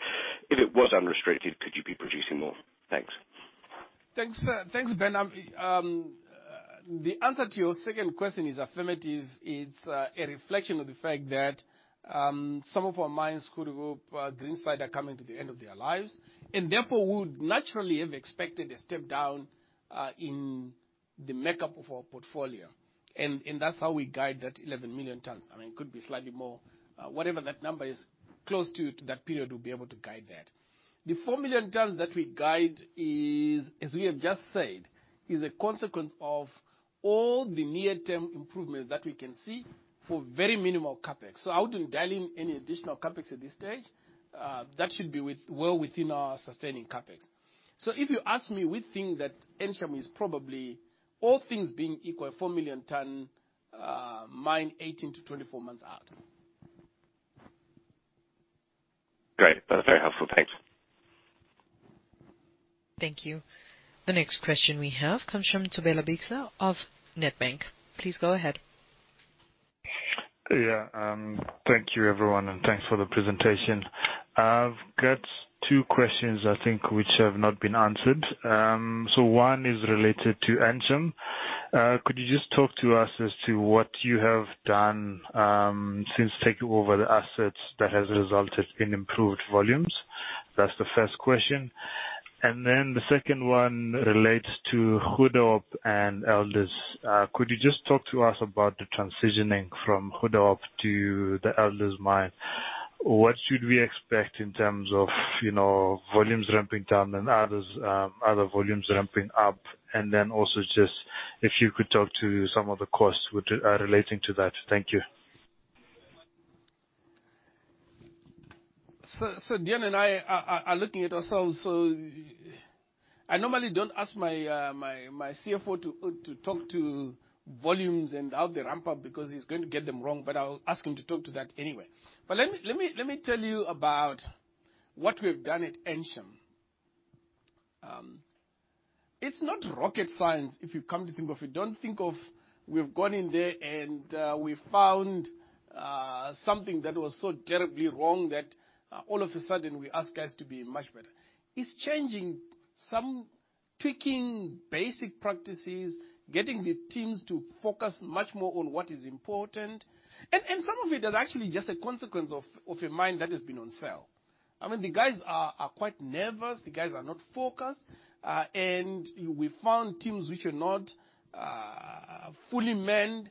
S6: it was unrestricted, could you be producing more? Thanks.
S3: Thanks, Ben. The answer to your second question is affirmative. It's a reflection of the fact that some of our mines could go green side are coming to the end of their lives, and therefore, we would naturally have expected a step down in the makeup of our portfolio. That's how we guide that 11 million tonnes. I mean, it could be slightly more. Whatever that number is, close to that period, we'll be able to guide that. The 4 million tonnes that we guide is, as we have just said, a consequence of all the near-term improvements that we can see for very minimal CapEx. I wouldn't dial in any additional CapEx at this stage. That should be well within our sustaining CapEx. If you ask me, we think that Ensham is probably all things being equal, a 4 million-tonne mine 18-24 months out.
S6: Great. That's very helpful. Thanks.
S1: Thank you. The next question we have comes from Thobela Bixa of Nedbank. Please go ahead.
S7: Yeah. Thank you, everyone, and thanks for the presentation. I've got two questions, I think, which have not been answered. So one is related to Ensham. Could you just talk to us as to what you have done since taking over the assets that has resulted in improved volumes? That's the first question. And then the second one relates to Goedehoop and Elders. Could you just talk to us about the transitioning from Goedehoop to the Elders mine? What should we expect in terms of volumes ramping down and other volumes ramping up? And then also just if you could talk to some of the costs relating to that. Thank you.
S3: So Deon and I are looking at ourselves. So I normally don't ask my CFO to talk to volumes and how they ramp up because he's going to get them wrong, but I'll ask him to talk to that anyway. But let me tell you about what we've done at Ensham. It's not rocket science if you come to think of it. Don't think we've gone in there and we found something that was so terribly wrong that all of a sudden, we ask guys to be much better. It's changing, tweaking basic practices, getting the teams to focus much more on what is important. And some of it is actually just a consequence of a mine that has been on sale. I mean, the guys are quite nervous. The guys are not focused. And we found teams which are not fully manned.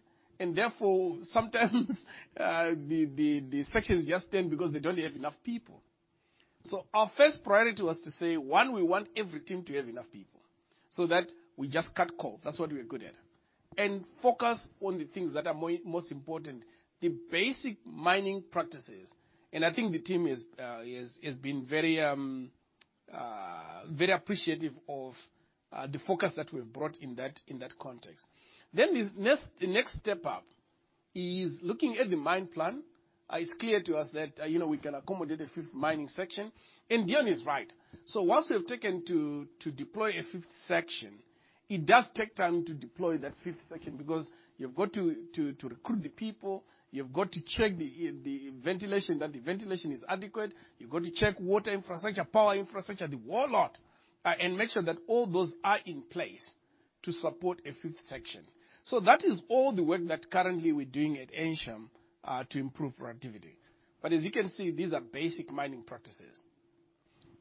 S3: Therefore, sometimes the sections just turn because they don't have enough people. Our first priority was to say, one, we want every team to have enough people so that we just cut coal. That's what we're good at. Focus on the things that are most important, the basic mining practices. I think the team has been very appreciative of the focus that we've brought in that context. The next step up is looking at the mine plan. It's clear to us that we can accommodate a fifth mining section. Deon is right. So once we've taken to deploy a fifth section, it does take time to deploy that fifth section because you've got to recruit the people. You've got to check the ventilation, that the ventilation is adequate. You've got to check water infrastructure, power infrastructure, the whole lot, and make sure that all those are in place to support a fifth section. So that is all the work that currently we're doing at Ensham to improve productivity. But as you can see, these are basic mining practices.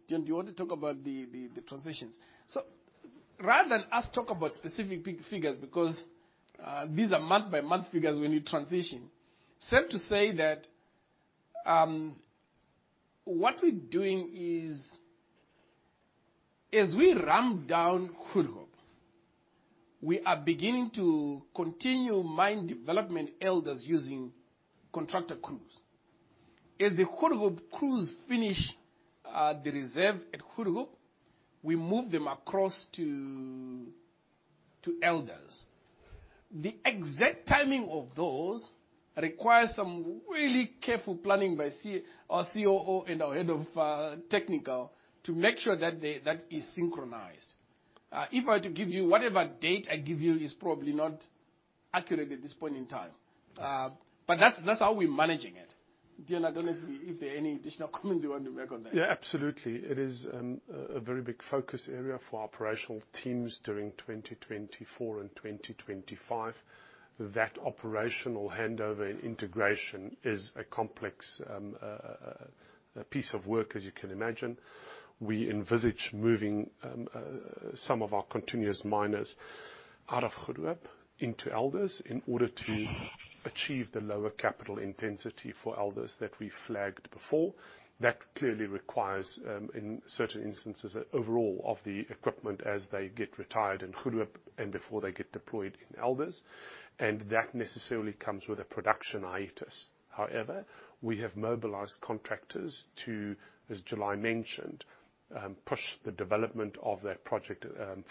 S3: Deon, do you want to talk about the transitions? So rather than us talk about specific figures because these are month-by-month figures when you transition, safe to say that what we're doing is as we ramp down Goedehoop, we are beginning to continue mine development Elders using contractor crews. As the Goedehoop crews finish the reserve at Goedehoop, we move them across to Elders. The exact timing of those requires some really careful planning by our COO and our head of technical to make sure that is synchronized. If I were to give you whatever date I give you, it's probably not accurate at this point in time. But that's how we're managing it. Deon, I don't know if there are any additional comments you want to make on that.
S4: Yeah. Absolutely. It is a very big focus area for operational teams during 2024 and 2025. That operational handover and integration is a complex piece of work, as you can imagine. We envisage moving some of our continuous miners out of Goedehoop into Elders in order to achieve the lower capital intensity for Elders that we flagged before. That clearly requires, in certain instances, an overhaul of the equipment as they get retired in Goedehoop and before they get deployed in Elders. And that necessarily comes with a production hiatus. However, we have mobilised contractors to, as July mentioned, push the development of that project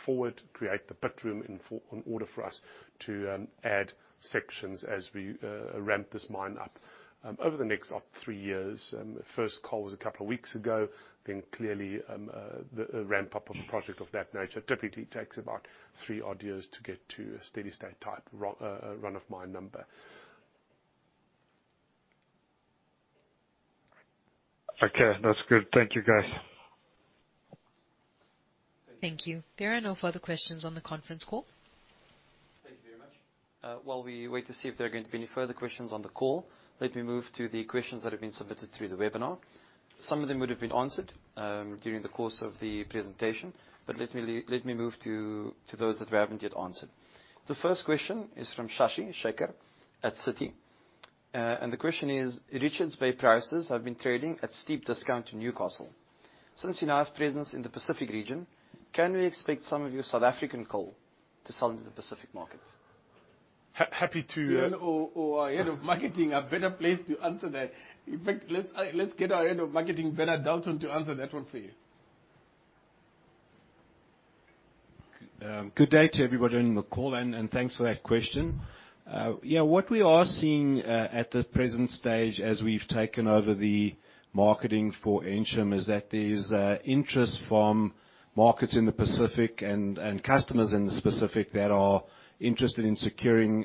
S4: forward, create the pit room in order for us to add sections as we ramp this mine up over the next three years. First call was a couple of weeks ago. Clearly, a ramp-up of a project of that nature typically takes about three odd years to get to a steady-state type Run-of-Mine number.
S8: Okay. That's good. Thank you, guys.
S1: Thank you. There are no further questions on the conference call.
S2: Thank you very much. While we wait to see if there are going to be any further questions on the call, let me move to the questions that have been submitted through the webinar. Some of them would have been answered during the course of the presentation, but let me move to those that haven't yet answered. The first question is from Shashi Shekhar at Citi. And the question is, "Richards Bay prices have been trading at steep discount in Newcastle. Since you now have presence in the Pacific region, can we expect some of your South African coal to sell into the Pacific market?
S3: Happy to. Deon, or our head of marketing, a better place to answer that. In fact, let's get our head of marketing, Bernard Dalton, to answer that one for you.
S9: Good day to everybody on the call, and thanks for that question. Yeah. What we are seeing at the present stage as we've taken over the marketing for Ensham is that there's interest from markets in the Pacific and customers in the Pacific that are interested in securing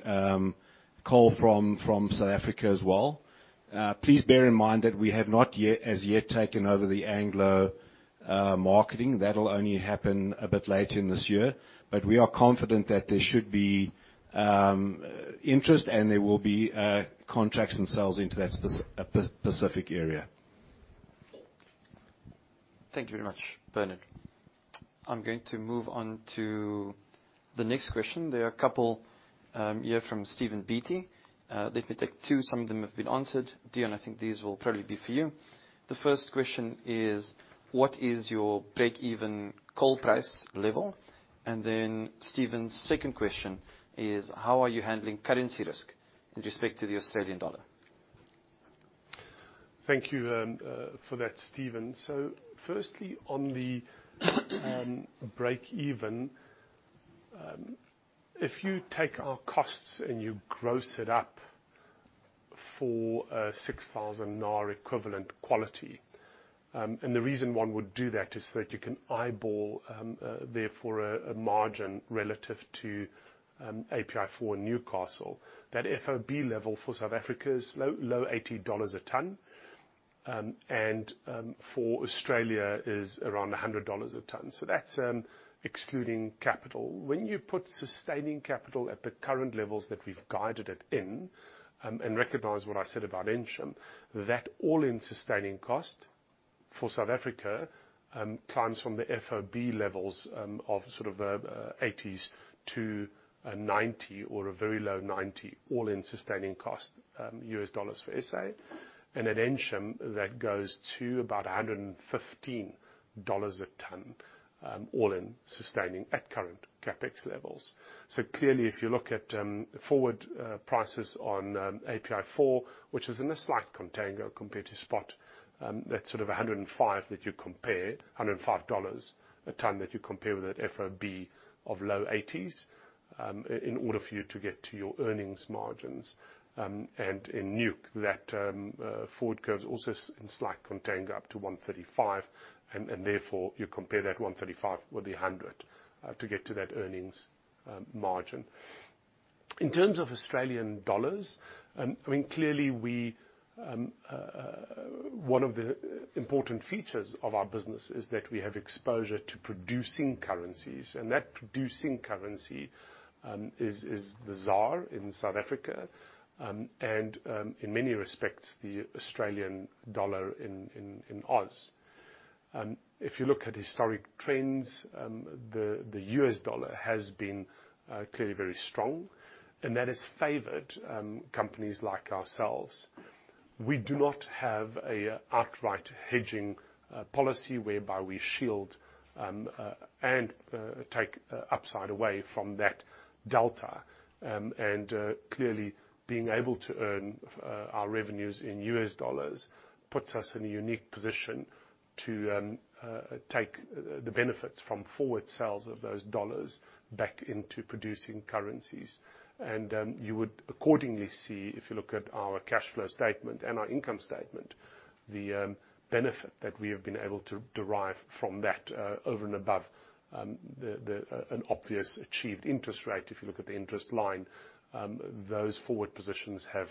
S9: coal from South Africa as well. Please bear in mind that we have not as yet taken over the Anglo marketing. That'll only happen a bit later in this year. But we are confident that there should be interest, and there will be contracts and sales into that Pacific area.
S2: Thank you very much, Bernard. I'm going to move on to the next question. There are a couple here from Stephen Beatty. Let me take two. Some of them have been answered. Deon, I think these will probably be for you. The first question is, "What is your break-even coal price level?" And then Stephen's second question is, "How are you handling currency risk in respect to the Australian dollar?
S4: Thank you for that, Stephen. So firstly, on the break-even, if you take our costs and you gross it up for a 6,000 NAR equivalent quality and the reason one would do that is so that you can eyeball, therefore, a margin relative to API4 Newcastle, that FOB level for South Africa is low $80 a tonne, and for Australia is around $100 a tonne. So that's excluding capital. When you put sustaining capital at the current levels that we've guided it in and recognize what I said about Ensham, that all-in sustaining cost for South Africa climbs from the FOB levels of sort of $80-$90 or a very low $90, all-in sustaining cost US dollars for SA. And at Ensham, that goes to about $115 a tonne, all-in sustaining at current CAPEX levels. So clearly, if you look at forward prices on API4, which is in a slight contango compared to spot, that's sort of $105 that you compare, $105 a tonne that you compare with that FOB of low $80s in order for you to get to your earnings margins. And in NUC, that forward curve's also in slight contango up to 135. And therefore, you compare that 135 with the 100 to get to that earnings margin. In terms of Australian dollars, I mean, clearly, one of the important features of our business is that we have exposure to producing currencies. And that producing currency is the ZAR in South Africa and, in many respects, the Australian dollar in ours. If you look at historic trends, the US dollar has been clearly very strong, and that has favored companies like ourselves. We do not have an outright hedging policy whereby we shield and take upside away from that delta. And clearly, being able to earn our revenues in US dollars puts us in a unique position to take the benefits from forward sales of those dollars back into producing currencies. And you would accordingly see, if you look at our cash flow statement and our income statement, the benefit that we have been able to derive from that over and above an obvious achieved interest rate. If you look at the interest line, those forward positions have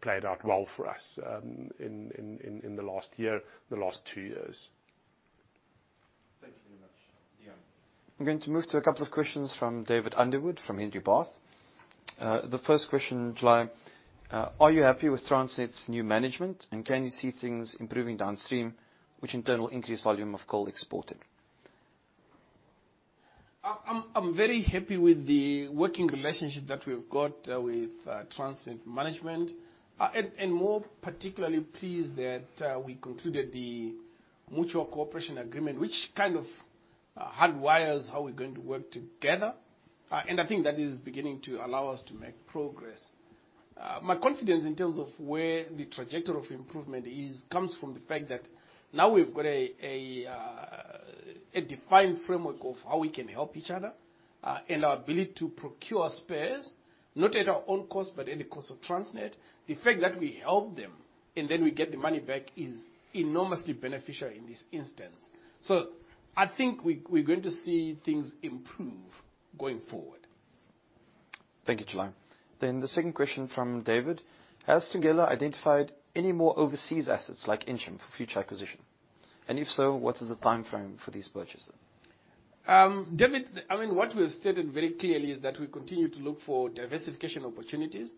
S4: played out well for us in the last year, the last two years.
S2: Thank you very much, Deon. I'm going to move to a couple of questions from David Underwood from Hannam & Partners. The first question, July, "Are you happy with Transnet's new management, and can you see things improving downstream, which in turn will increase volume of coal exported?
S3: I'm very happy with the working relationship that we've got with Transnet management. And more particularly, pleased that we concluded the mutual cooperation agreement, which kind of hardwires how we're going to work together. And I think that is beginning to allow us to make progress. My confidence in terms of where the trajectory of improvement is comes from the fact that now we've got a defined framework of how we can help each other and our ability to procure spares, not at our own cost but at the cost of Transnet. The fact that we help them and then we get the money back is enormously beneficial in this instance. So I think we're going to see things improve going forward.
S2: Thank you, July. Then the second question from David, "Has Thungela identified any more overseas assets like Ensham for future acquisition? And if so, what is the timeframe for these purchases?
S3: David, I mean, what we have stated very clearly is that we continue to look for diversification opportunities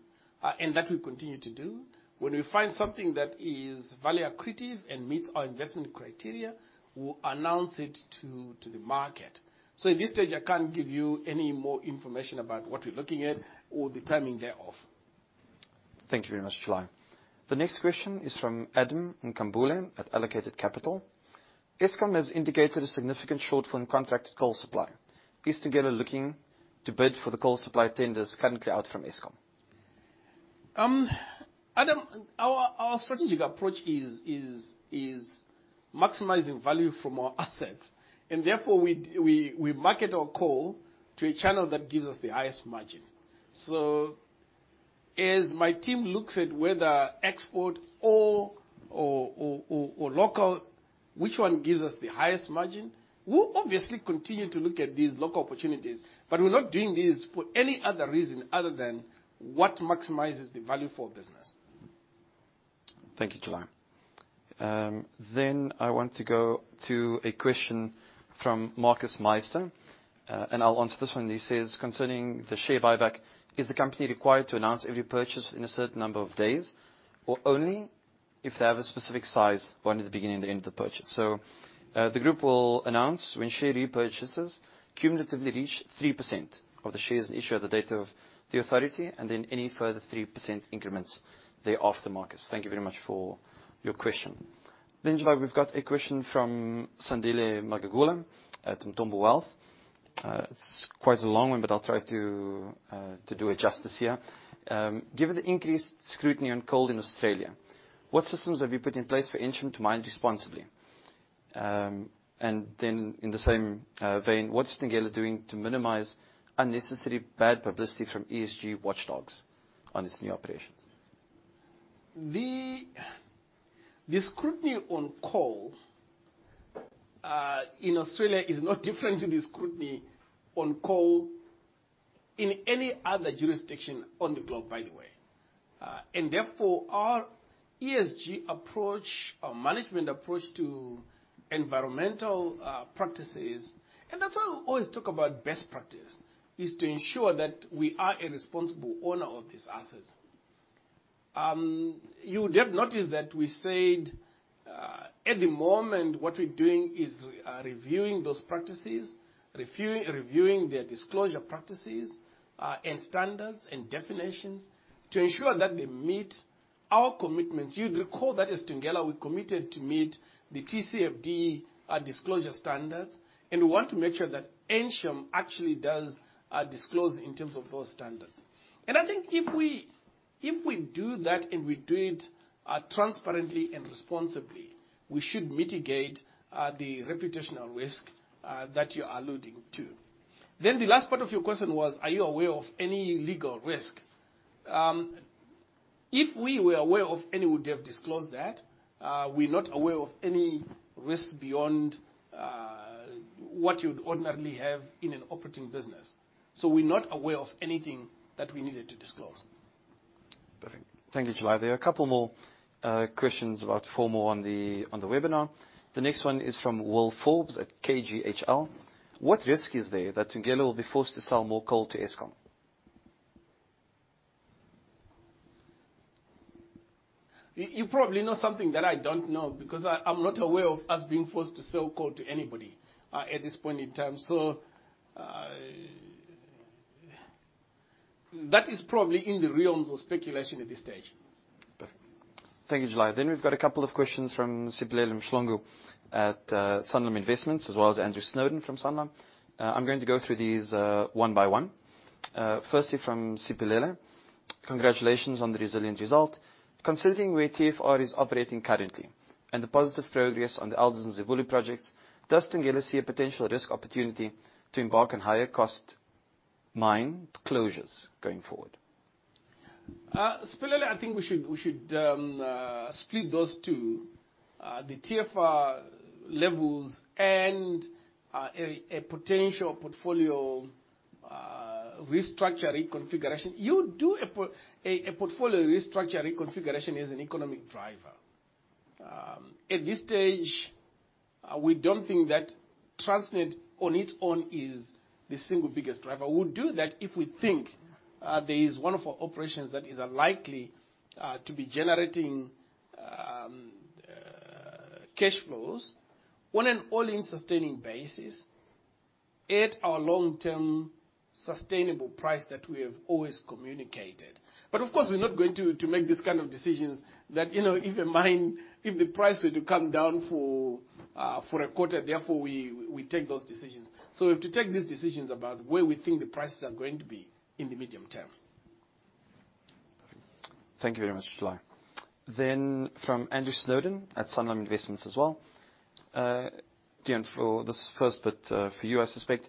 S3: and that we continue to do. When we find something that is value accretive and meets our investment criteria, we'll announce it to the market. So at this stage, I can't give you any more information about what we're looking at or the timing thereof.
S2: Thank you very much, July. The next question is from Adam Nkambule at Allweather Capital. "Eskom has indicated a significant shortfall in contracted coal supply. Is Thungela looking to bid for the coal supply tenders currently out from Eskom?
S4: Adam, our strategic approach is maximizing value from our assets. Therefore, we market our coal to a channel that gives us the highest margin. As my team looks at whether export or local, which one gives us the highest margin, we'll obviously continue to look at these local opportunities. We're not doing this for any other reason other than what maximizes the value for our business.
S2: Thank you, July. Then I want to go to a question from Marcus Meister. And I'll answer this one. He says, "Concerning the share buyback, is the company required to announce every purchase within a certain number of days or only if they have a specific size or near the beginning and the end of the purchase?" So the group will announce when share repurchases cumulatively reach 3% of the shares in issue at the date of the authority and then any further 3% increments thereafter. Marcus, thank you very much for your question. Then, July, we've got a question from Sandile Magagula at Mthombo Wealth. It's quite a long one, but I'll try to do it justice here. "Given the increased scrutiny on coal in Australia, what systems have you put in place for Ensham to mine responsibly? In the same vein, what's Thungela doing to minimize unnecessary bad publicity from ESG watchdogs on its new operations?
S3: The scrutiny on coal in Australia is not different to the scrutiny on coal in any other jurisdiction on the globe, by the way. And therefore, our ESG approach, our management approach to environmental practices and that's why we always talk about best practice is to ensure that we are a responsible owner of these assets. You would have noticed that we said at the moment, what we're doing is reviewing those practices, reviewing their disclosure practices and standards and definitions to ensure that they meet our commitments. You'd recall that as Thungela, we committed to meet the TCFD disclosure standards. And we want to make sure that Ensham actually does disclose in terms of those standards. And I think if we do that and we do it transparently and responsibly, we should mitigate the reputational risk that you're alluding to. Then the last part of your question was, "Are you aware of any legal risk?" If we were aware of any, we would have disclosed that. We're not aware of any risks beyond what you'd ordinarily have in an operating business. So we're not aware of anything that we needed to disclose.
S2: Perfect. Thank you, July. There are a couple more questions from all on the webinar. The next one is from Will Forbes at KGHL. "What risk is there that Thungela will be forced to sell more coal to Eskom?
S3: You probably know something that I don't know because I'm not aware of us being forced to sell coal to anybody at this point in time. So that is probably in the realms of speculation at this stage.
S2: Perfect. Thank you, July. Then we've got a couple of questions from Siphelele Mhlongo at Sanlam Investments as well as Andrew Snowden from Sanlam. I'm going to go through these one by one. Firstly from Sibilele, "Congratulations on the resilient result. Considering where TFR is operating currently and the positive progress on the Elders and Zibulo projects, does Thungela see a potential risk opportunity to embark on higher-cost mine closures going forward?
S3: Sibilele, I think we should split those two, the TFR levels and a potential portfolio restructure reconfiguration. A portfolio restructure reconfiguration is an economic driver. At this stage, we don't think that Transnet on its own is the single biggest driver. We'll do that if we think there is one of our operations that is likely to be generating cash flows on an all-in sustaining basis at our long-term sustainable price that we have always communicated. But of course, we're not going to make these kind of decisions that if the price were to come down for a quarter, therefore, we take those decisions. So we have to take these decisions about where we think the prices are going to be in the medium term.
S2: Perfect. Thank you very much, July. Then from Andrew Snowden at Sanlam Investments as well. Deon, for this first bit for you, I suspect,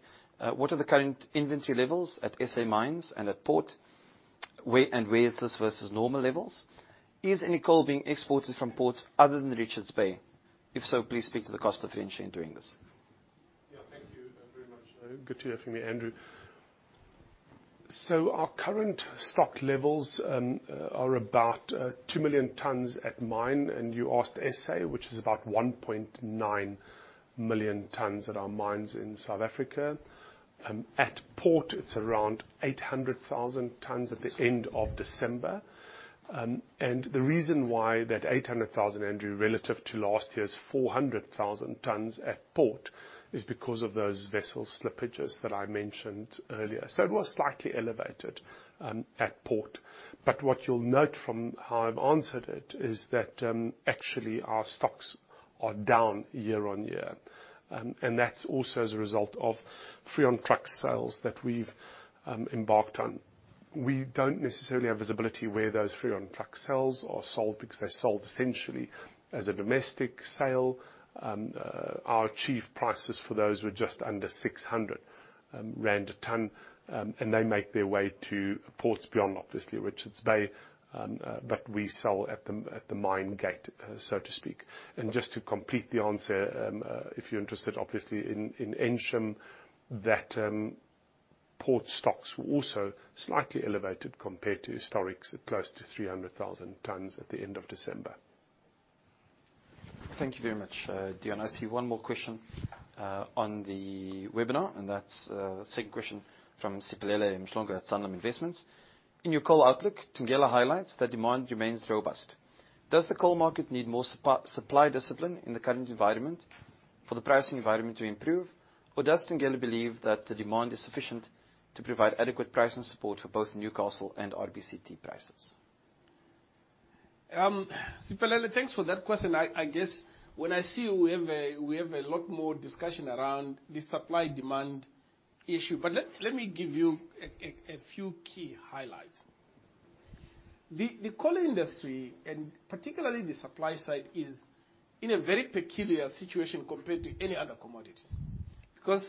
S2: "What are the current inventory levels at SA Mines and at port, and where is this versus normal levels? Is any coal being exported from ports other than Richards Bay? If so, please speak to the cost of range sharing during this.
S4: Yeah. Thank you very much. Good to hear from you, Andrew. So our current stock levels are about 2 million tonnes at mine. And you asked SA, which is about 1.9 million tonnes at our mines in South Africa. At port, it's around 800,000 tonnes at the end of December. And the reason why that 800,000, Andrew, relative to last year's 400,000 tonnes at port is because of those vessel slippages that I mentioned earlier. So it was slightly elevated at port. But what you'll note from how I've answered it is that actually, our stocks are down year-on-year. And that's also as a result of free-on-truck sales that we've embarked on. We don't necessarily have visibility where those free-on-truck sales are sold because they're sold essentially as a domestic sale. Our FOB prices for those were just under 600 rand a tonne. And they make their way to ports beyond, obviously, Richards Bay. But we sell at the mine gate, so to speak. And just to complete the answer, if you're interested, obviously, in Ensham, that port stocks were also slightly elevated compared to historics at close to 300,000 tonnes at the end of December.
S2: Thank you very much, Deon. I see one more question on the webinar. That's the second question from Sibilele Mashlongu at Sanlam Investments. "In your coal outlook, Thungela highlights that demand remains robust. Does the coal market need more supply discipline in the current environment for the pricing environment to improve, or does Thungela believe that the demand is sufficient to provide adequate pricing support for both Newcastle and RBCT prices?
S3: Sibilele, thanks for that question. I guess when I see you, we have a lot more discussion around the supply-demand issue. Let me give you a few key highlights. The coal industry, and particularly the supply side, is in a very peculiar situation compared to any other commodity because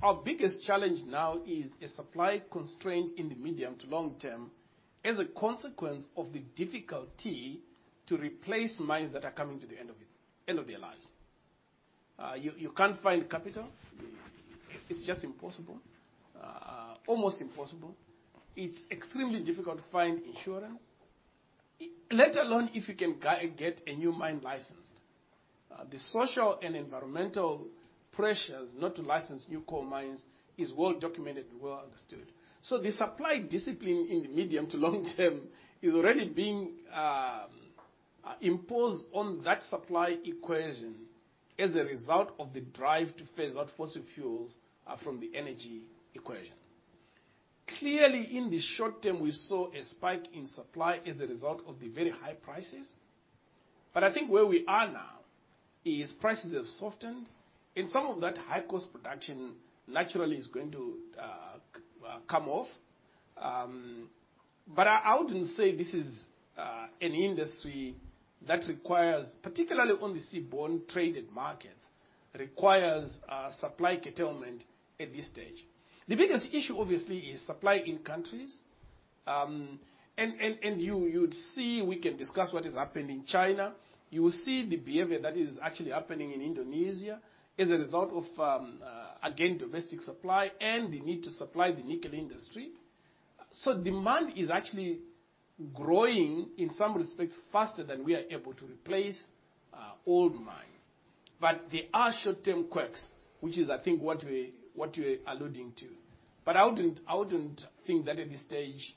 S3: our biggest challenge now is a supply constraint in the medium to long term as a consequence of the difficulty to replace mines that are coming to the end of their lives. You can't find capital. It's just impossible, almost impossible. It's extremely difficult to find insurance, let alone if you can get a new mine licensed. The social and environmental pressures not to license new coal mines is well documented and well understood. So the supply discipline in the medium to long term is already being imposed on that supply equation as a result of the drive to phase out fossil fuels from the energy equation. Clearly, in the short term, we saw a spike in supply as a result of the very high prices. But I think where we are now is prices have softened. And some of that high-cost production naturally is going to come off. But I wouldn't say this is an industry that requires, particularly on the seaborne traded markets, supply curtailment at this stage. The biggest issue, obviously, is supply in countries. And you'd see we can discuss what is happening in China. You will see the behavior that is actually happening in Indonesia as a result of, again, domestic supply and the need to supply the nickel industry. So demand is actually growing, in some respects, faster than we are able to replace old mines. But there are short-term quirks, which is, I think, what you're alluding to. But I wouldn't think that at this stage,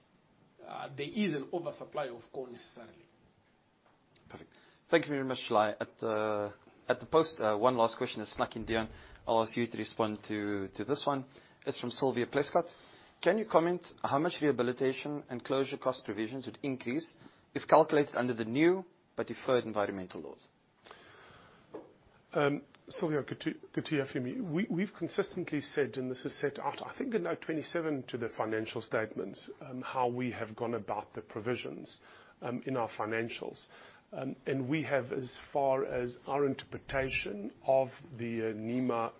S3: there is an oversupply of coal necessarily.
S2: Perfect. Thank you very much, July. At the post, one last question is snuck in, Deon. I'll ask you to respond to this one. It's from Sylvia Plescott. "Can you comment how much rehabilitation and closure cost provisions would increase if calculated under the new but deferred environmental laws?
S4: Sylvia, good to hear from you. We've consistently said, and this is said, I think in note 27 to the financial statements, how we have gone about the provisions in our financials. We have, as far as our interpretation of the NEMA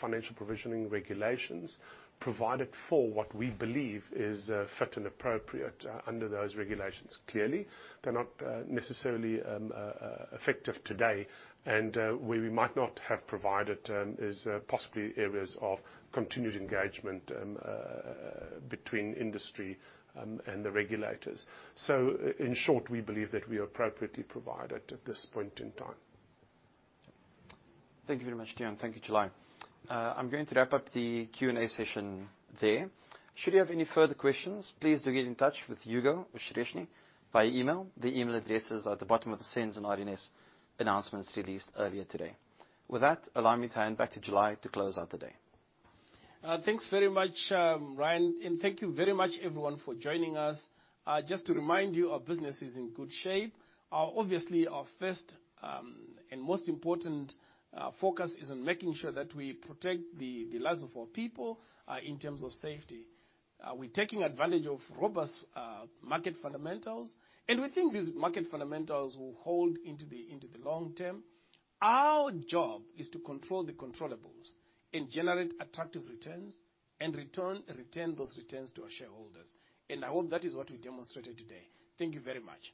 S4: financial provisioning regulations, provided for what we believe is fit and appropriate under those regulations. Clearly, they're not necessarily effective today. Where we might not have provided is possibly areas of continued engagement between industry and the regulators. In short, we believe that we are appropriately provided at this point in time.
S2: Thank you very much, Deon. Thank you, July. I'm going to wrap up the Q&A session there. Should you have any further questions, please do get in touch with Hugo or Shreshni by email. The email address is at the bottom of the sends and RNS announcements released earlier today. With that, allow me to hand back to July to close out the day.
S3: Thanks very much, Ryan. Thank you very much, everyone, for joining us. Just to remind you, our business is in good shape. Obviously, our first and most important focus is on making sure that we protect the lives of our people in terms of safety. We're taking advantage of robust market fundamentals. We think these market fundamentals will hold into the long term. Our job is to control the controllable and generate attractive returns and return those returns to our shareholders. I hope that is what we demonstrated today. Thank you very much.